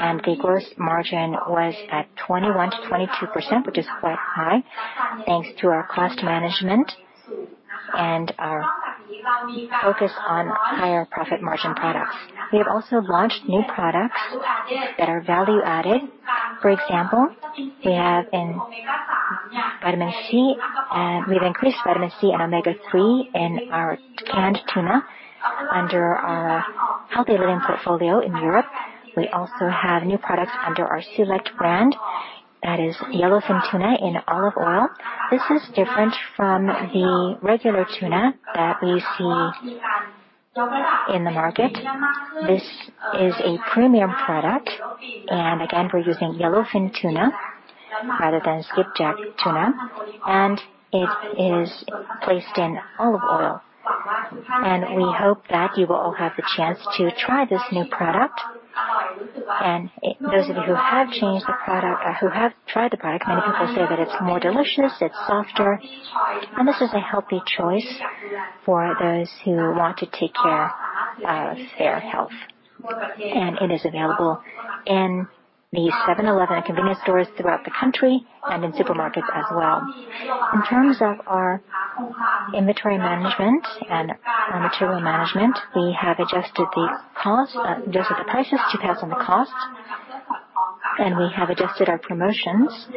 and the gross margin was at 21%-22%, which is quite high thanks to our cost management and our focus on higher profit margin products. We have also launched new products that are value added. For example, we have a vitamin C, and we've increased vitamin C and omega-3 in our canned tuna under our Healthy Living portfolio in Europe. We also have new products under our SEALECT brand that is yellowfin tuna in olive oil. This is different from the regular tuna that we see in the market. This is a premium product, and again, we're using yellowfin tuna rather than skipjack tuna, and it is placed in olive oil. We hope that you will all have the chance to try this new product. Those of you who have tried the product, many people say that it's more delicious, it's softer, and this is a healthy choice for those who want to take care of their health. It is available in the 7-Eleven convenience stores throughout the country and in supermarkets as well. In terms of our inventory management and raw material management, we have adjusted the prices to pass on the cost, and we have adjusted our promotions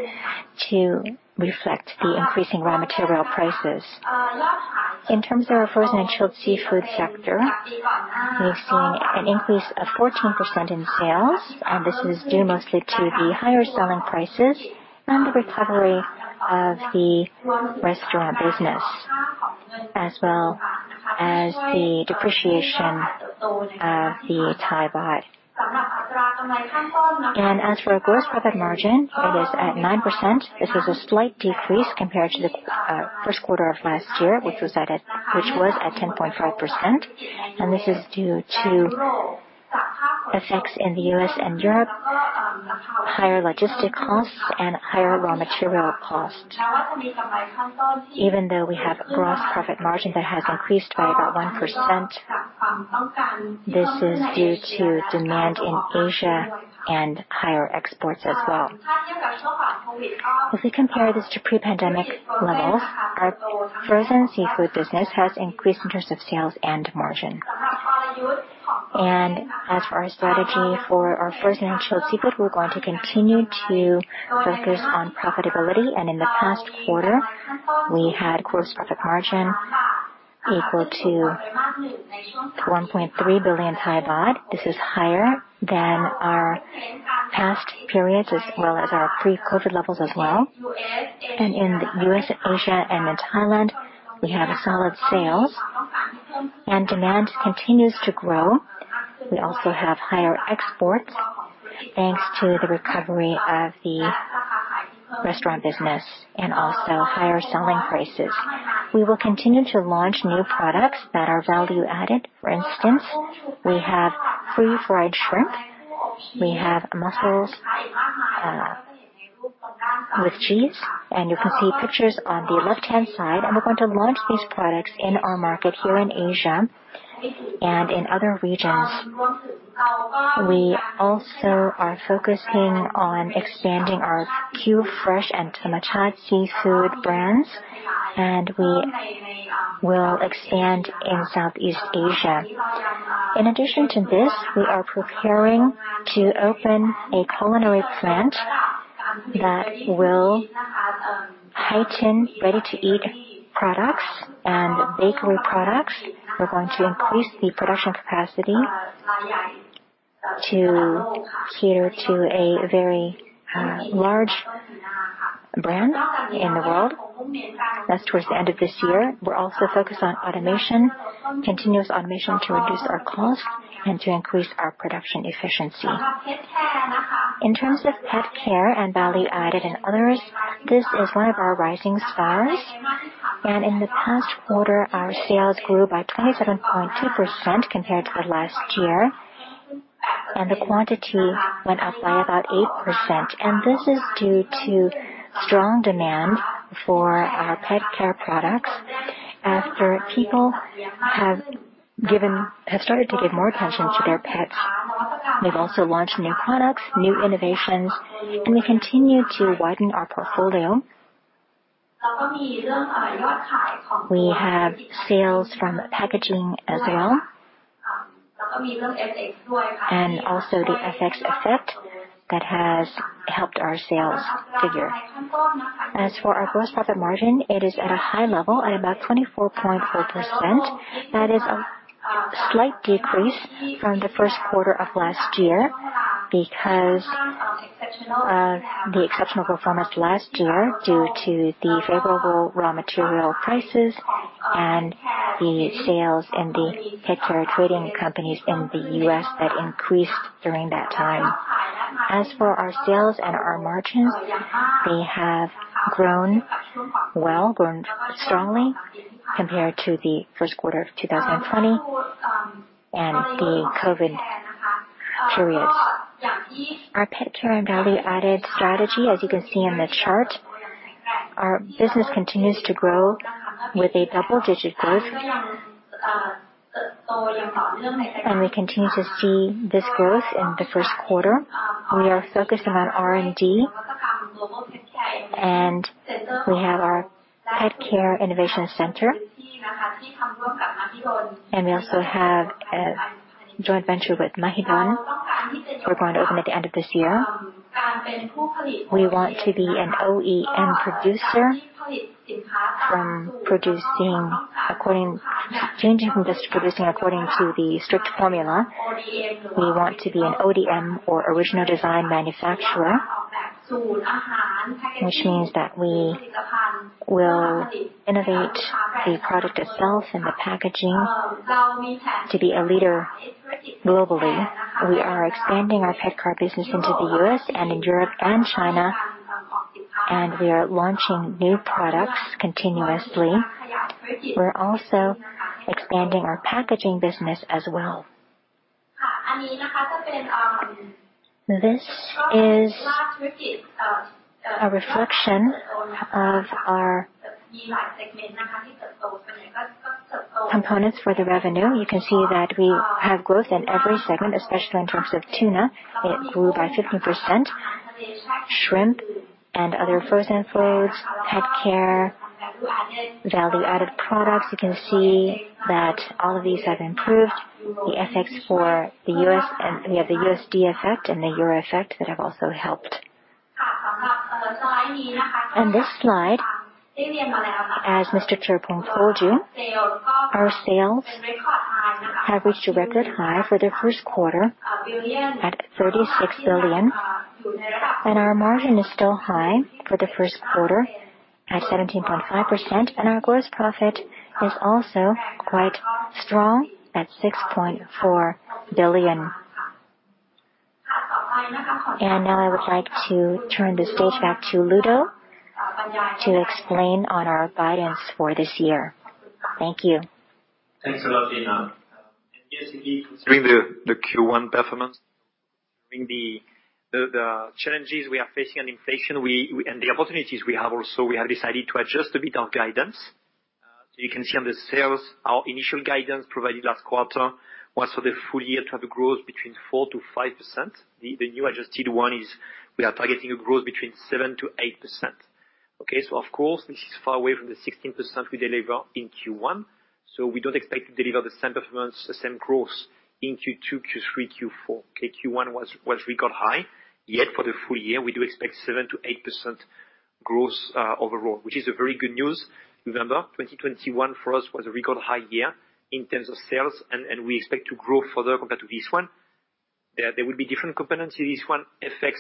to reflect the increasing raw material prices. In terms of our frozen and chilled seafood sector, we've seen an increase of 14% in sales, and this is due mostly to the higher selling prices and the recovery of the restaurant business, as well as the depreciation of the Thai baht. As for our gross profit margin, it is at 9%. This is a slight decrease compared to the first quarter of last year, which was at 10.5%. This is due to effects in the U.S. and Europe, higher logistic costs, and higher raw material costs. Even though we have gross profit margin that has increased by about 1%, this is due to demand in Asia and higher exports as well. If we compare this to pre-pandemic levels, our frozen seafood business has increased in terms of sales and margin. As for our strategy for our frozen and chilled seafood, we're going to continue to focus on profitability. In the past quarter, we had gross profit margin equal to 1.3 billion baht. This is higher than our past periods as well as our pre-COVID levels as well. In the U.S., Asia, and in Thailand, we have solid sales, and demand continues to grow. We also have higher exports thanks to the recovery of the restaurant business and also higher selling prices. We will continue to launch new products that are value added. For instance, we have pre-fried shrimp. We have mussels with cheese, and you can see pictures on the left-hand side. We're going to launch these products in our market here in Asia and in other regions. We also are focusing on expanding our Qfresh and Thammachart Seafood brands, and we will expand in Southeast Asia. In addition to this, we are preparing to open a culinary plant that will heighten ready-to-eat products and bakery products. We're going to increase the production capacity to cater to a very large brand in the world. That's towards the end of this year. We're also focused on automation, continuous automation to reduce our cost and to increase our production efficiency. In terms of pet care and value added and others, this is one of our rising stars. In the past quarter, our sales grew by 27.2% compared to the last year. The quantity went up by about 8%. This is due to strong demand for our pet care products after people have started to give more attention to their pets. We've also launched new products, new innovations, and we continue to widen our portfolio. We have sales from packaging as well, and also the FX effect that has helped our sales figure. As for our gross profit margin, it is at a high level at about 24.4%. That is a slight decrease from the first quarter of last year because of the exceptional performance last year due to the favorable raw material prices and the sales in the pet care trading companies in the U.S. that increased during that time. As for our sales and our margins, they have grown well, grown strongly compared to the first quarter of 2020 and the COVID period. Our pet care and value-added strategy, as you can see on the chart, our business continues to grow with a double-digit growth. We continue to see this growth in the first quarter. We are focusing on R&D. We have our Pet Care Innovation Center. We also have a joint venture with Mahidol. We're going to open at the end of this year. We want to be an OEM producer from producing according... Changing from just producing according to the strict formula. We want to be an ODM or original design manufacturer, which means that we will innovate the product itself and the packaging to be a leader globally. We are expanding our pet care business into the U.S. and in Europe and China, and we are launching new products continuously. We're also expanding our packaging business as well. This is a reflection of our components for the revenue. You can see that we have growth in every segment, especially in terms of tuna. It grew by 15%. Shrimp and other frozen foods, pet care, value-added products. You can see that all of these have improved. The FX for the U.S. We have the USD effect and the Euro effect that have also helped. On this slide, as Mr. Thiraphong told you, our sales have reached a record high for the first quarter at 36 billion. Our margin is still high for the first quarter at 17.5%. Our gross profit is also quite strong at THB 6.4 billion. Now I would like to turn the stage back to Ludo to explain on our guidance for this year. Thank you. Thanks a lot, Lina. Yes indeed, considering the Q1 performance, considering the challenges we are facing on inflation, and the opportunities we have also, we have decided to adjust a bit our guidance. You can see on the sales, our initial guidance provided last quarter was for the full year to have a growth between 4%-5%. The new adjusted one is we are targeting a growth between 7%-8%. Okay. Of course, this is far away from the 16% we deliver in Q1, so we don't expect to deliver the same performance, the same growth in Q2, Q3, Q4. Okay. Q1 was record high. Yet for the full year, we do expect 7%-8% growth overall, which is a very good news. Remember, 2021 for us was a record high year in terms of sales, and we expect to grow further compared to this one. There will be different components in this one. FX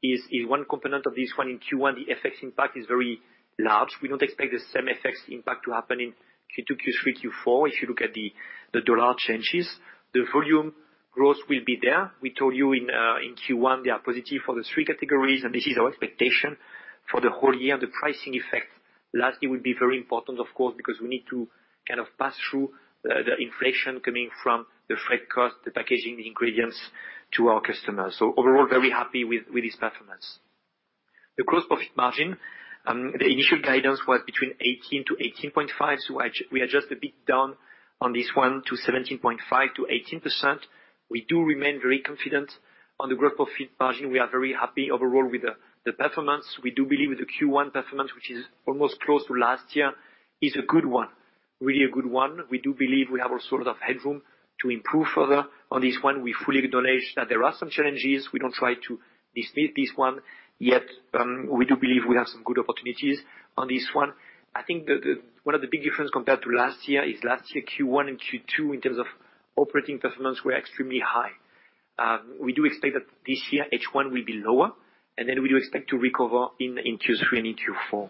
is one component of this one. In Q1, the FX impact is very large. We don't expect the same FX impact to happen in Q2, Q3, Q4 if you look at the dollar changes. The volume growth will be there. We told you in Q1, they are positive for the three categories, and this is our expectation. For the whole year, the pricing effect last year will be very important, of course, because we need to kind of pass through the inflation coming from the freight cost, the packaging, the ingredients to our customers. Overall, very happy with this performance. The gross profit margin, the initial guidance was between 18%-18.5%. We adjust a bit down on this one to 17.5%-18%. We do remain very confident on the gross profit margin. We are very happy overall with the performance. We do believe the Q1 performance, which is almost close to last year, is a good one. Really a good one. We do believe we have also a lot of headroom to improve further on this one. We fully acknowledge that there are some challenges. We don't try to dismiss this one yet, we do believe we have some good opportunities on this one. I think. One of the big difference compared to last year is last year Q1 and Q2 in terms of operating performance were extremely high. We expect that this year H1 will be lower, and then we expect to recover in Q3 and Q4.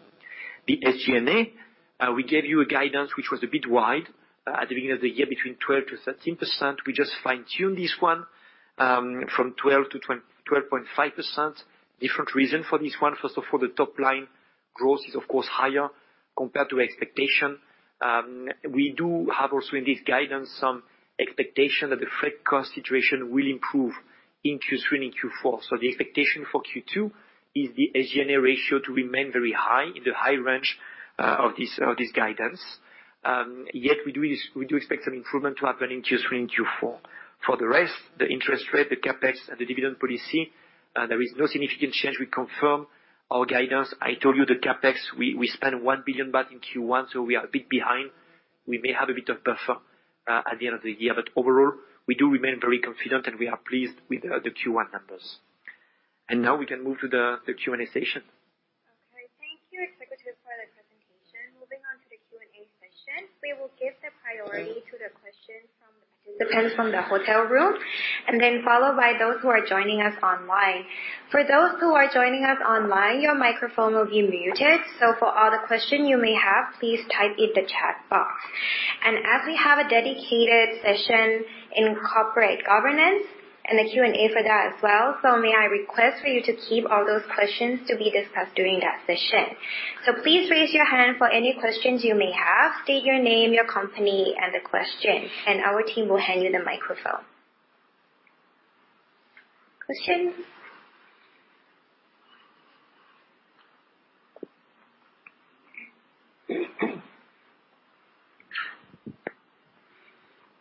The SG&A, we gave you a guidance which was a bit wide at the beginning of the year, between 12%-13%. We just fine-tune this one from 12%-12.5%. Different reason for this one. First of all, the top line growth is of course higher compared to expectation. We have also in this guidance some expectation that the freight cost situation will improve in Q3 and Q4. The expectation for Q2 is the SG&A ratio to remain very high, in the high range of this guidance. Yet we expect some improvement to happen in Q3 and Q4. For the rest, the interest rate, the CapEx and the dividend policy, there is no significant change. We confirm our guidance. I told you the CapEx, we spent 1 billion baht in Q1, so we are a bit behind. We may have a bit of buffer at the end of the year. Overall, we do remain very confident, and we are pleased with the Q1 numbers. Now we can move to the Q&A session. Okay, thank you executives for the presentation. Moving on to the Q&A session. We will give the priority to the question from participants from the hotel room, and then followed by those who are joining us online. For those who are joining us online, your microphone will be muted, so for all the question you may have, please type in the chat box. As we have a dedicated session in corporate governance and a Q&A for that as well, so may I request for you to keep all those questions to be discussed during that session. Please raise your hand for any questions you may have. State your name, your company and the question, and our team will hand you the microphone. Questions?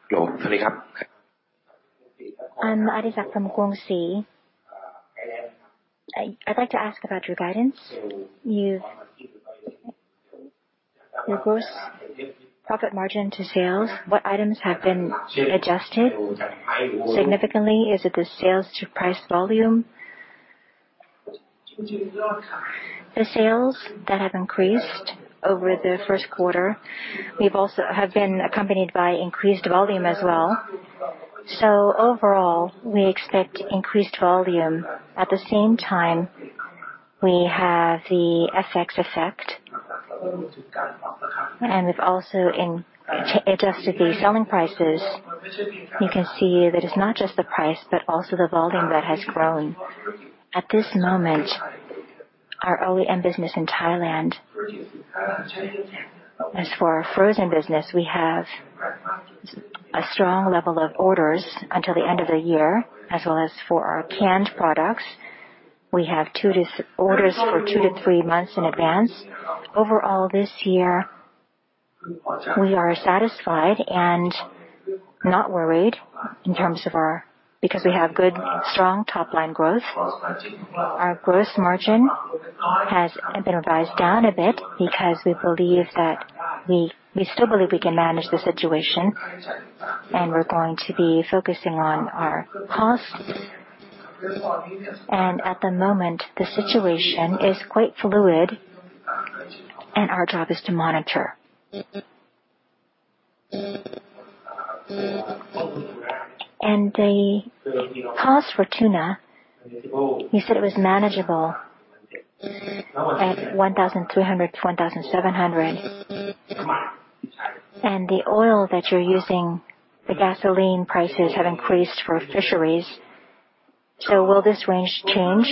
Hello. I'm Adisak from Beyond Securities. I'd like to ask about your guidance. Your gross profit margin to sales, what items have been adjusted significantly? Is it the sales to price volume? The sales that have increased over the first quarter, we've also have been accompanied by increased volume as well. Overall, we expect increased volume. At the same time, we have the FX effect. We've also adjusted the selling prices. You can see that it's not just the price, but also the volume that has grown. At this moment, our OEM business in Thailand. As for our frozen business, we have a strong level of orders until the end of the year, as well as for our canned products. We have orders for two-three months in advance. Overall, this year, we are satisfied and not worried in terms of our. Because we have good, strong top line growth. Our gross margin has been revised down a bit because we believe that we still believe we can manage the situation, and we're going to be focusing on our costs. At the moment, the situation is quite fluid, and our job is to monitor. The cost for tuna, you said it was manageable at $1,200-$1,700. The oil that you're using, the gasoline prices have increased for fisheries. So will this range change?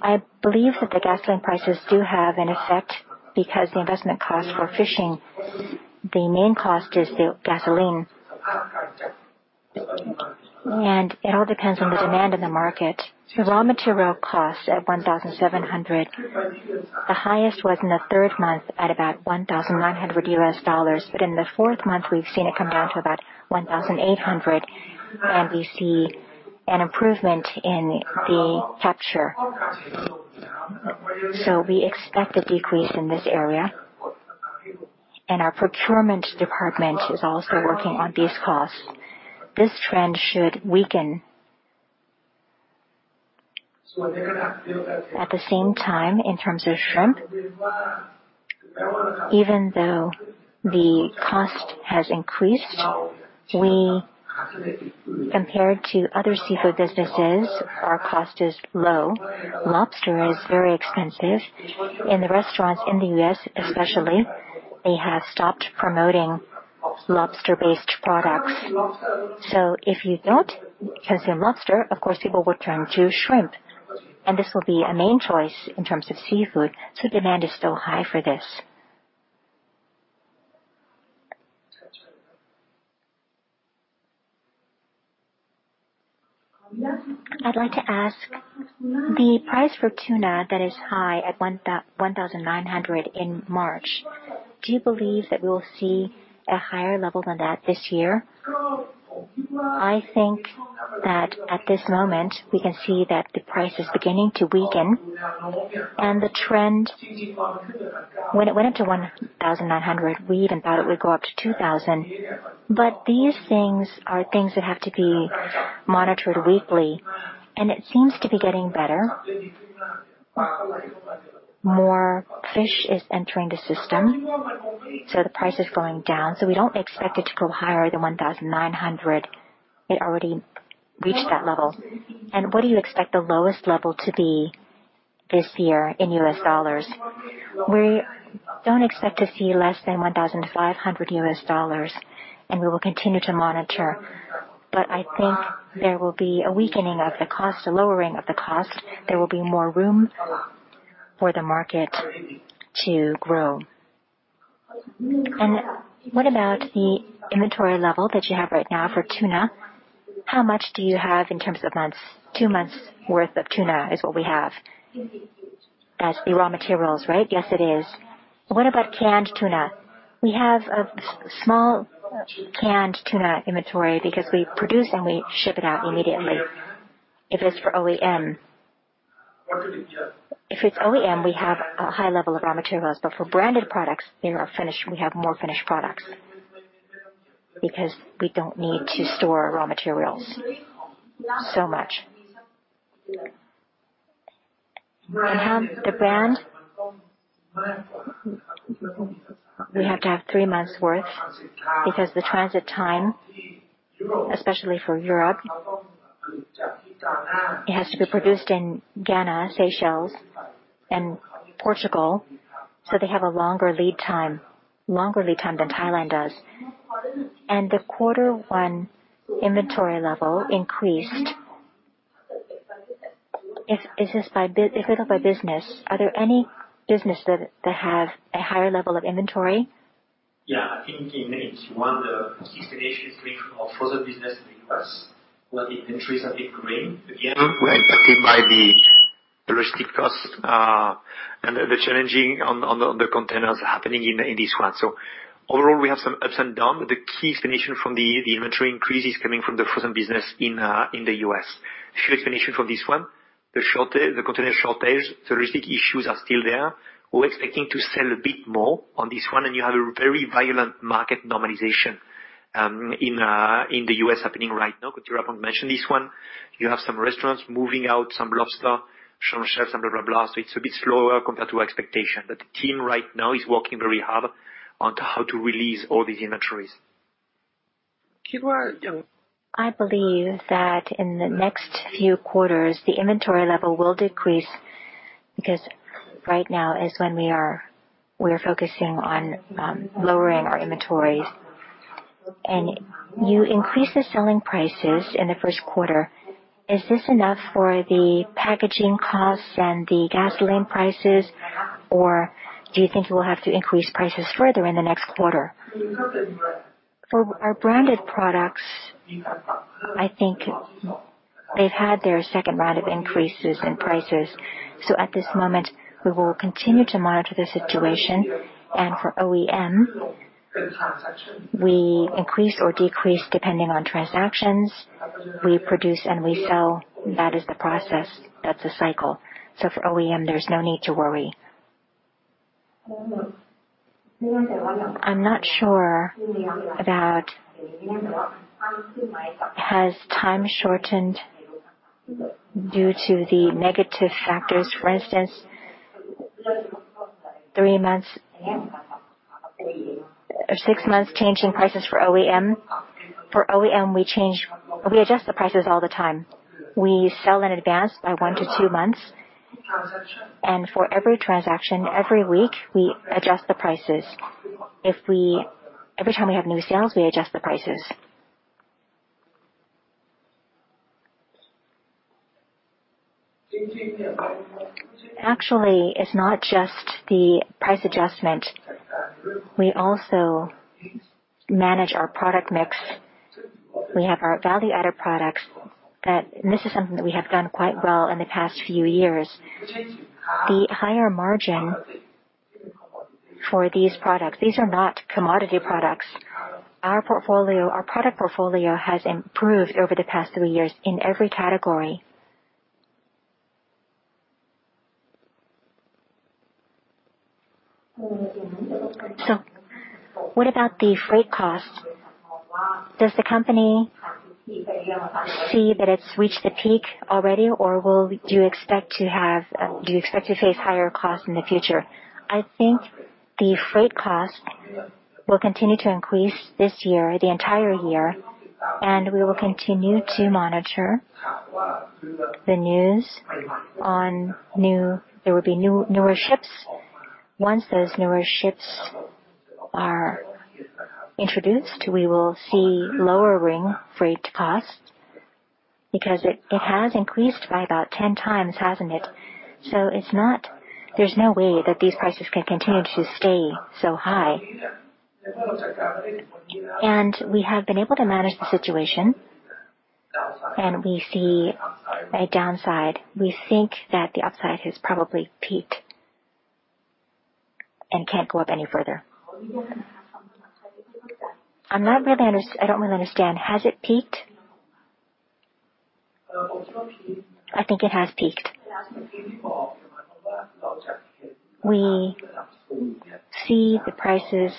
I believe that the gasoline prices do have an effect because the investment cost for fishing, the main cost is the gasoline. It all depends on the demand in the market. Raw material costs at $1,700. The highest was in the third month at about $1,900. In the fourth month, we've seen it come down to about 1,800, and we see an improvement in the capture. We expect a decrease in this area. Our procurement department is also working on these costs. This trend should weaken. At the same time, in terms of shrimp, even though the cost has increased, we, compared to other seafood businesses, our cost is low. Lobster is very expensive. In the restaurants in the U.S. especially, they have stopped promoting lobster-based products. If you don't consume lobster, of course people will turn to shrimp, and this will be a main choice in terms of seafood, so demand is still high for this. I'd like to ask, the price for tuna that is high at $1,900 in March, do you believe that we will see a higher level than that this year? I think that at this moment we can see that the price is beginning to weaken and the trend. When it went up to $1,900, we even thought it would go up to $2,000. These things are things that have to be monitored weekly, and it seems to be getting better. More fish is entering the system, so the price is going down. We don't expect it to go higher than $1,900. It already reached that level. What do you expect the lowest level to be this year in U.S. dollars? We don't expect to see less than $1,500, and we will continue to monitor. I think there will be a weakening of the cost, a lowering of the cost. There will be more room for the market to grow. What about the inventory level that you have right now for tuna? How much do you have in terms of months? Two months worth of tuna is what we have. That's the raw materials, right? Yes, it is. What about canned tuna? We have a small canned tuna inventory because we produce, and we ship it out immediately. If it's for OEM. If it's OEM, we have a high level of raw materials, but for branded products, they are finished. We have more finished products because we don't need to store raw materials so much. How the brand? We have to have three months worth because the transit time, especially for Europe, it has to be produced in Ghana, Seychelles, and Portugal, so they have a longer lead time than Thailand does. The quarter one inventory level increased. If it's by business, are there any business that have a higher level of inventory? Yeah. I think in H1, the key explanation is coming from frozen business in the U.S. Well, the inventories have been growing. Again, we're impacted by the logistics costs, and the challenges on the containers happening in this one. Overall, we have some ups and downs. The key explanation from the inventory increase is coming from the frozen business in the U.S. Short explanation for this one. The container shortage, logistics issues are still there. We're expecting to sell a bit more on this one, and you have a very violent market normalization in the U.S. happening right now, but you haven't mentioned this one. You have some restaurants moving out, some lobster, some chef, some blah, blah. It's a bit slower compared to expectation. The team right now is working very hard on how to release all these inventories. I believe that in the next few quarters, the inventory level will decrease because right now is when we're focusing on lowering our inventories. You increase the selling prices in the first quarter. Is this enough for the packaging costs and the gasoline prices, or do you think you will have to increase prices further in the next quarter? For our branded products, I think they've had their second round of increases in prices. At this moment, we will continue to monitor the situation. For OEM, we increase or decrease depending on transactions. We produce and we sell. That is the process. That's the cycle. For OEM, there's no need to worry. I'm not sure about has time shortened due to the negative factors. For instance, three months or six months changing prices for OEM. For OEM, we change. We adjust the prices all the time. We sell in advance by one to two months. For every transaction, every week, we adjust the prices. Every time we have new sales, we adjust the prices. Actually, it's not just the price adjustment. We also manage our product mix. We have our value-added products. This is something that we have done quite well in the past few years. The higher margin for these products. These are not commodity products. Our portfolio, our product portfolio has improved over the past three years in every category. What about the freight cost? Does the company see that it's reached the peak already, or do you expect to face higher costs in the future? I think the freight cost will continue to increase this year, the entire year, and we will continue to monitor the news on new ships. There will be new, newer ships. Once those newer ships are introduced, we will see lowering freight cost because it has increased by about 10x, hasn't it? It's not. There's no way that these prices can continue to stay so high. We have been able to manage the situation, and we see a downside. We think that the upside has probably peaked and can't go up any further. I don't really understand. Has it peaked? I think it has peaked. We see the prices.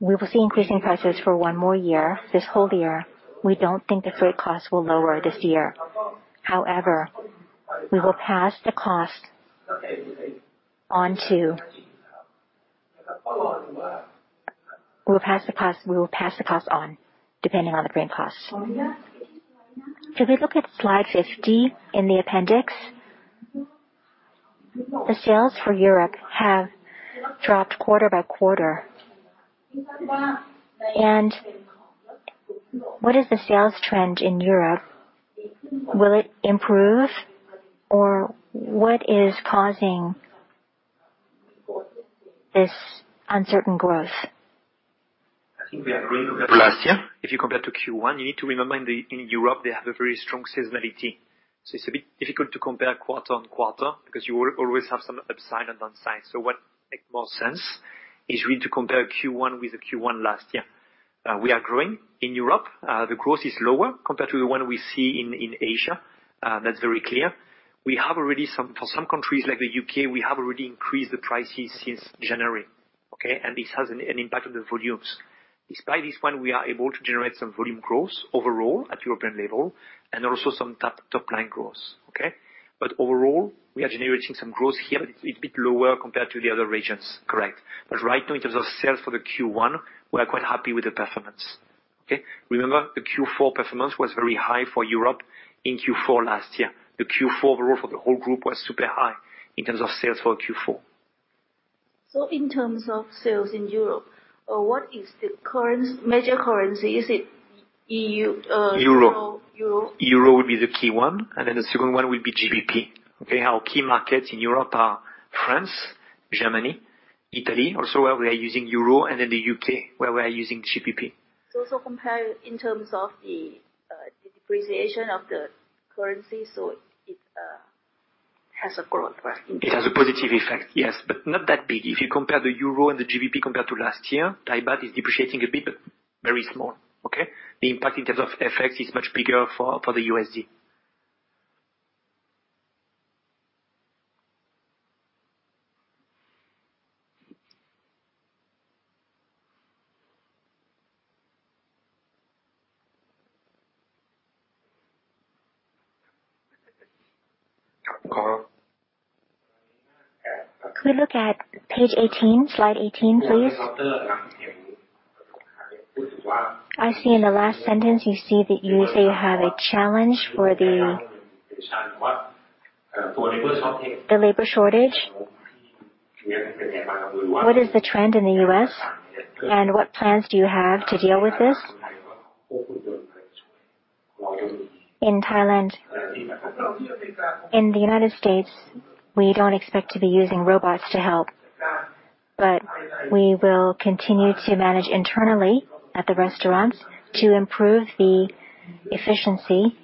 We will see increasing prices for one more year, this whole year. We don't think the freight costs will lower this year. However, we will pass the cost onto. We will pass the cost on depending on the grain costs. If we look at slide 50 in the appendix. The sales for Europe have dropped quarter by quarter. What is the sales trend in Europe? Will it improve or what is causing this uncertain growth? I think we are growing last year. If you compare to Q1, you need to remember in Europe, they have a very strong seasonality. It's a bit difficult to compare quarter-over-quarter because you will always have some upside and downside. What makes more sense is really to compare Q1 with the Q1 last year. We are growing in Europe. The growth is lower compared to the one we see in Asia. That's very clear. We have already for some countries like the U.K., we have already increased the prices since January, okay. This has an impact on the volumes. Despite this one, we are able to generate some volume growth overall at European level and also some top line growth, okay. Overall, we are generating some growth here. It's a bit lower compared to the other regions, correct. Right now, in terms of sales for the Q1, we are quite happy with the performance, okay? Remember, the Q4 performance was very high for Europe in Q4 last year. The Q4 growth for the whole group was super high in terms of sales for Q4. In terms of sales in Europe, what is the major currency? Is it EUR, euro? Euro. Euro? Euro would be the key one, and then the second one would be GBP. Okay. Our key markets in Europe are France, Germany, Italy, also where we are using euro, and then the U.K., where we are using GBP. Compare in terms of the depreciation of the currency. It has a growth rate in- It has a positive effect, yes, but not that big. If you compare the euro and the GBP compared to last year, Thai baht is depreciating a bit, but very small, okay. The impact in terms of FX is much bigger for the USD. Could we look at page 18, slide 18, please. I see in the last sentence, you see that you say you have a challenge for the- The labor shortage. The labor shortage. What is the trend in the U.S. and what plans do you have to deal with this? In Thailand. In the United States, we don't expect to be using robots to help, but we will continue to manage internally at the restaurants to improve the efficiency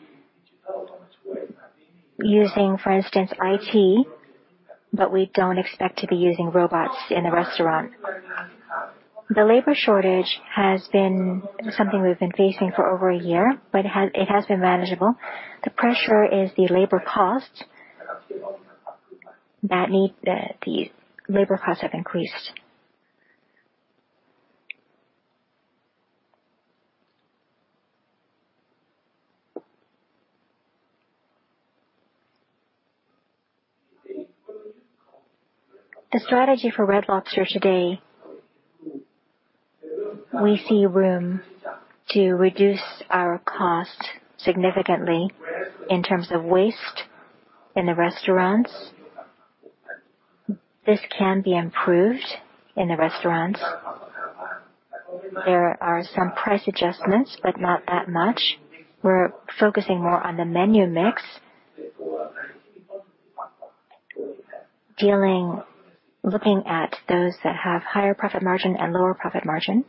using, for instance, IT, but we don't expect to be using robots in the restaurant. The labor shortage has been something we've been facing for over a year, it has been manageable. The pressure is the labor costs have increased. The strategy for Red Lobster today, we see room to reduce our cost significantly in terms of waste in the restaurants. This can be improved in the restaurants. There are some price adjustments, but not that much. We're focusing more on the menu mix. Looking at those that have higher profit margin and lower profit margin.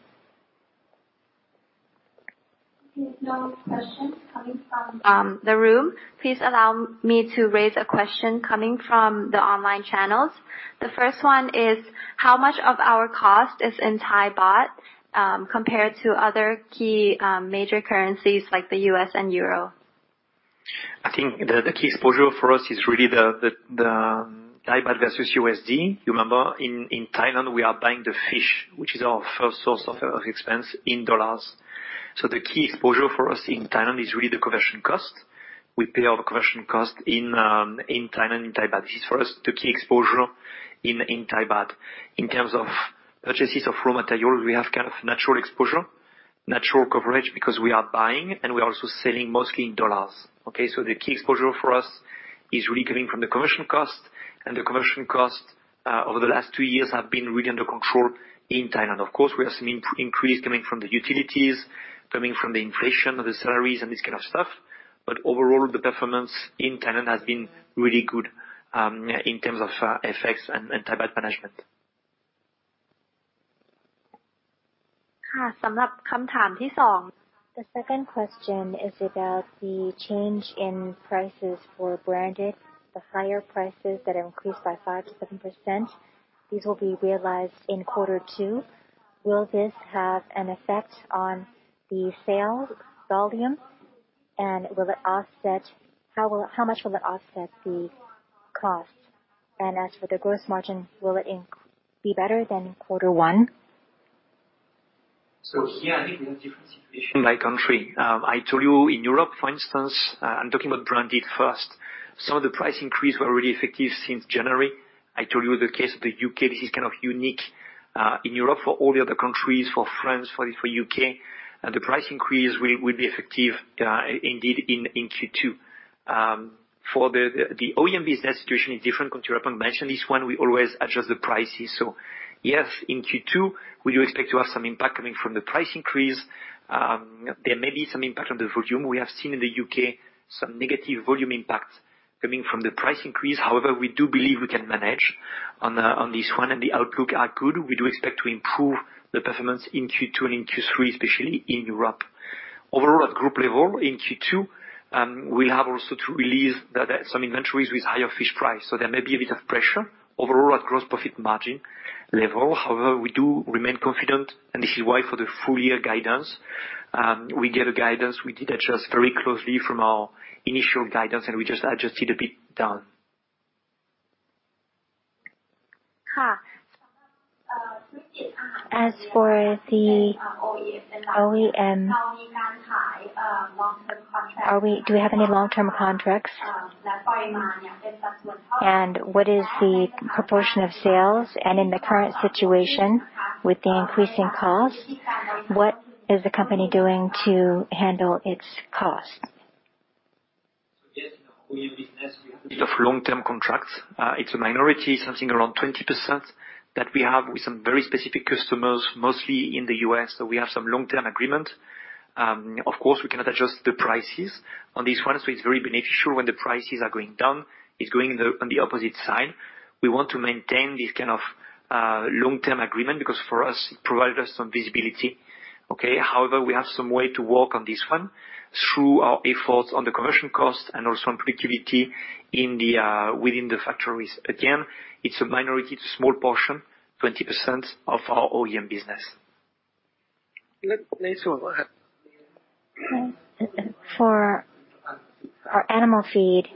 If no questions coming from the room, please allow me to raise a question coming from the online channels. The first one is how much of our cost is in Thai baht, compared to other key major currencies like the U.S. and Euro? I think the key exposure for us is really the Thai baht versus USD. You remember in Thailand, we are buying the fish, which is our first source of expense in dollars. The key exposure for us in Thailand is really the conversion cost. We pay our conversion cost in Thailand, in Thai baht. This is for us, the key exposure in Thai baht. In terms of purchases of raw material, we have kind of natural exposure, natural coverage because we are buying and we are also selling mostly in dollars, okay? The key exposure for us is really coming from the conversion cost. The conversion costs over the last two years have been really under control in Thailand. Of course, we have some increase coming from the utilities, coming from the inflation of the salaries and this kind of stuff. Overall, the performance in Thailand has been really good, in terms of FX and Thai baht management. The second question is about the change in prices for branded, the higher prices that have increased by 5%-7%. These will be realized in quarter two. Will this have an effect on the sales volume? How much will it offset the cost? As for the gross margin, will it be better than quarter one? Here I think we have different situation by country. I told you in Europe, for instance, I'm talking about branded first. Some of the price increase were already effective since January. I told you the case of the U.K. This is kind of unique in Europe for all the other countries, for France, for U.K. The price increase will be effective indeed in Q2. For the OEM business situation in different country, I mentioned this one, we always adjust the prices. Yes, in Q2, we do expect to have some impact coming from the price increase. There may be some impact on the volume. We have seen in the U.K. some negative volume impact coming from the price increase. However, we do believe we can manage on this one and the outlook are good. We do expect to improve the performance in Q2 and in Q3, especially in Europe. Overall at group level, in Q2, we'll have also to release some inventories with higher fish price. There may be a bit of pressure overall at gross profit margin level. However, we do remain confident and this is why for the full year guidance, we gave a guidance. We did adjust very closely from our initial guidance, and we just adjusted a bit down. As for the OEM, do we have any long-term contracts? What is the proportion of sales and in the current situation with the increasing costs, what is the company doing to handle its cost? Yes, in our OEM business, we have a bit of long-term contracts. It's a minority, something around 20% that we have with some very specific customers, mostly in the U.S. We have some long-term agreement. Of course we cannot adjust the prices on this one, so it's very beneficial when the prices are going down. It's going on the opposite side. We want to maintain this kind of long-term agreement because for us it provided us some visibility. Okay. However, we have some way to work on this one through our efforts on the commercial cost and also on productivity in the within the factories. Again, it's a minority to small portion, 20% of our OEM business. For our animal feed,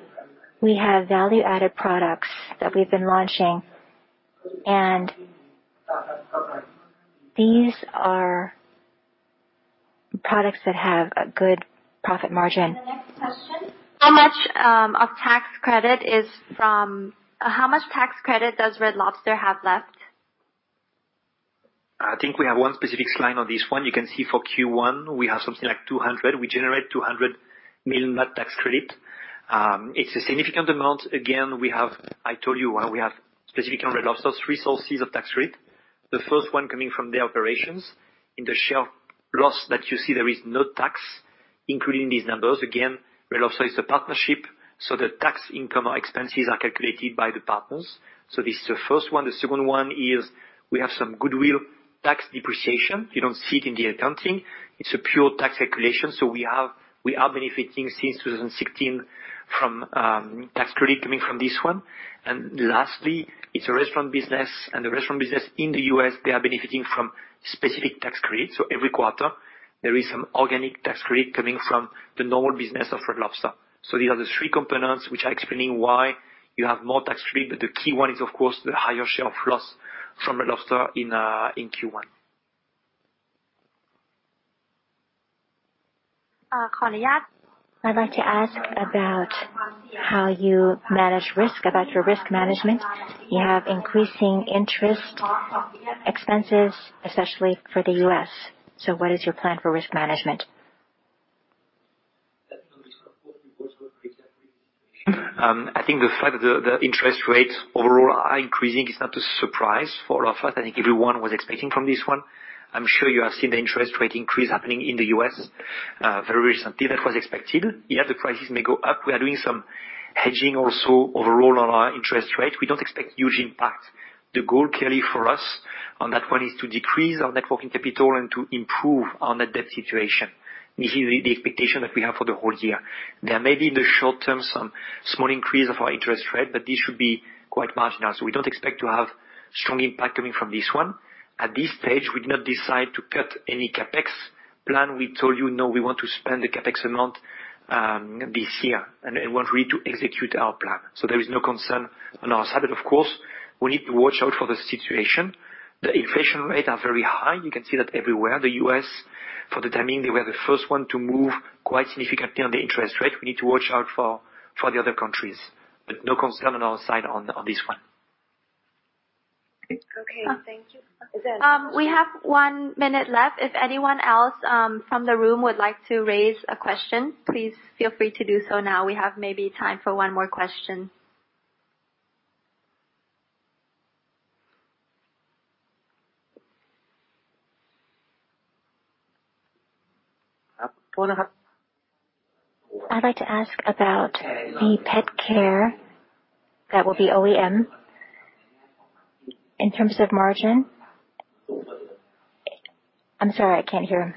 we have value-added products that we've been launching and these are products that have a good profit margin. The next question. How much tax credit does Red Lobster have left? I think we have one specific slide on this one. You can see for Q1 we have something like 200. We generate 200 million net tax credit. It's a significant amount. Again, we have. I told you how we have specifics on Red Lobster, three sources of tax credit. The first one coming from the operations. In the share of loss that you see there is no tax included in these numbers. Again, Red Lobster is a partnership, so the tax income or expenses are calculated by the partners. This is the first one. The second one is we have some goodwill tax depreciation. You don't see it in the accounting. It's a pure tax calculation. We are benefiting since 2016 from tax credit coming from this one. Lastly, it's a restaurant business and the restaurant business in the U.S., they are benefiting from specific tax credits. Every quarter there is some organic tax credit coming from the normal business of Red Lobster. These are the three components which are explaining why you have more tax credit, but the key one is of course the higher share of loss from Red Lobster in Q1. I'd like to ask about how you manage risk, about your risk management. You have increasing interest expenses, especially for the U.S. What is your plan for risk management? I think the fact that the interest rates overall are increasing is not a surprise for all of us. I think everyone was expecting from this one. I'm sure you have seen the interest rate increase happening in the U.S. very recently. That was expected. Yeah, the prices may go up. We are doing some hedging also overall on our interest rate. We don't expect huge impact. The goal clearly for us on that one is to decrease our net working capital and to improve on the debt situation. This is the expectation that we have for the whole year. There may be in the short term some small increase of our interest rate, but this should be quite marginal. We don't expect to have strong impact coming from this one. At this stage, we've not decided to cut any CapEx plan. We told you no we want to spend the CapEx amount, this year and we want really to execute our plan. There is no concern on our side. Of course, we need to watch out for the situation. The inflation rate are very high. You can see that everywhere. The U.S., for the time being, they were the first one to move quite significantly on the interest rate. We need to watch out for the other countries. No concern on our side on this one. Okay. Thank you. We have one minute left. If anyone else from the room would like to raise a question, please feel free to do so now. We have maybe time for one more question. I'd like to ask about the pet care that will be OEM in terms of margin. I'm sorry, I can't hear.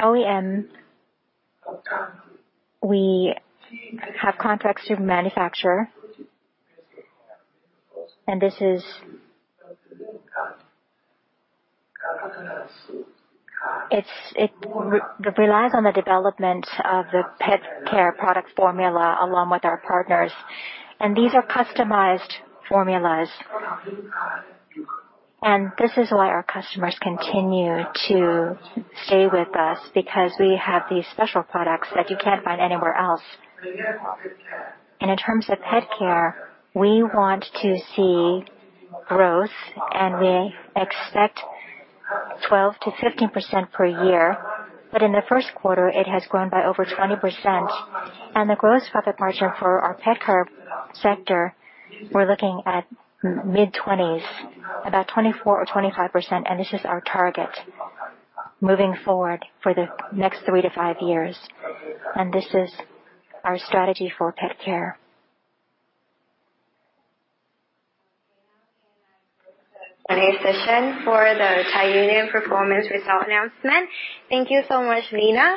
OEM, we have contracts to manufacture. This is. It relies on the development of the pet care product formula along with our partners, and these are customized formulas. This is why our customers continue to stay with us, because we have these special products that you can't find anywhere else. In terms of pet care, we want to see growth, and we expect 12%-15% per year. In the first quarter, it has grown by over 20%. The gross profit margin for our pet care sector, we're looking at mid-20s, about 24% or 25%. This is our target moving forward for the next three-five years. This is our strategy for pet care. Session for the Thai Union performance result announcement. Thank you so much, Lina.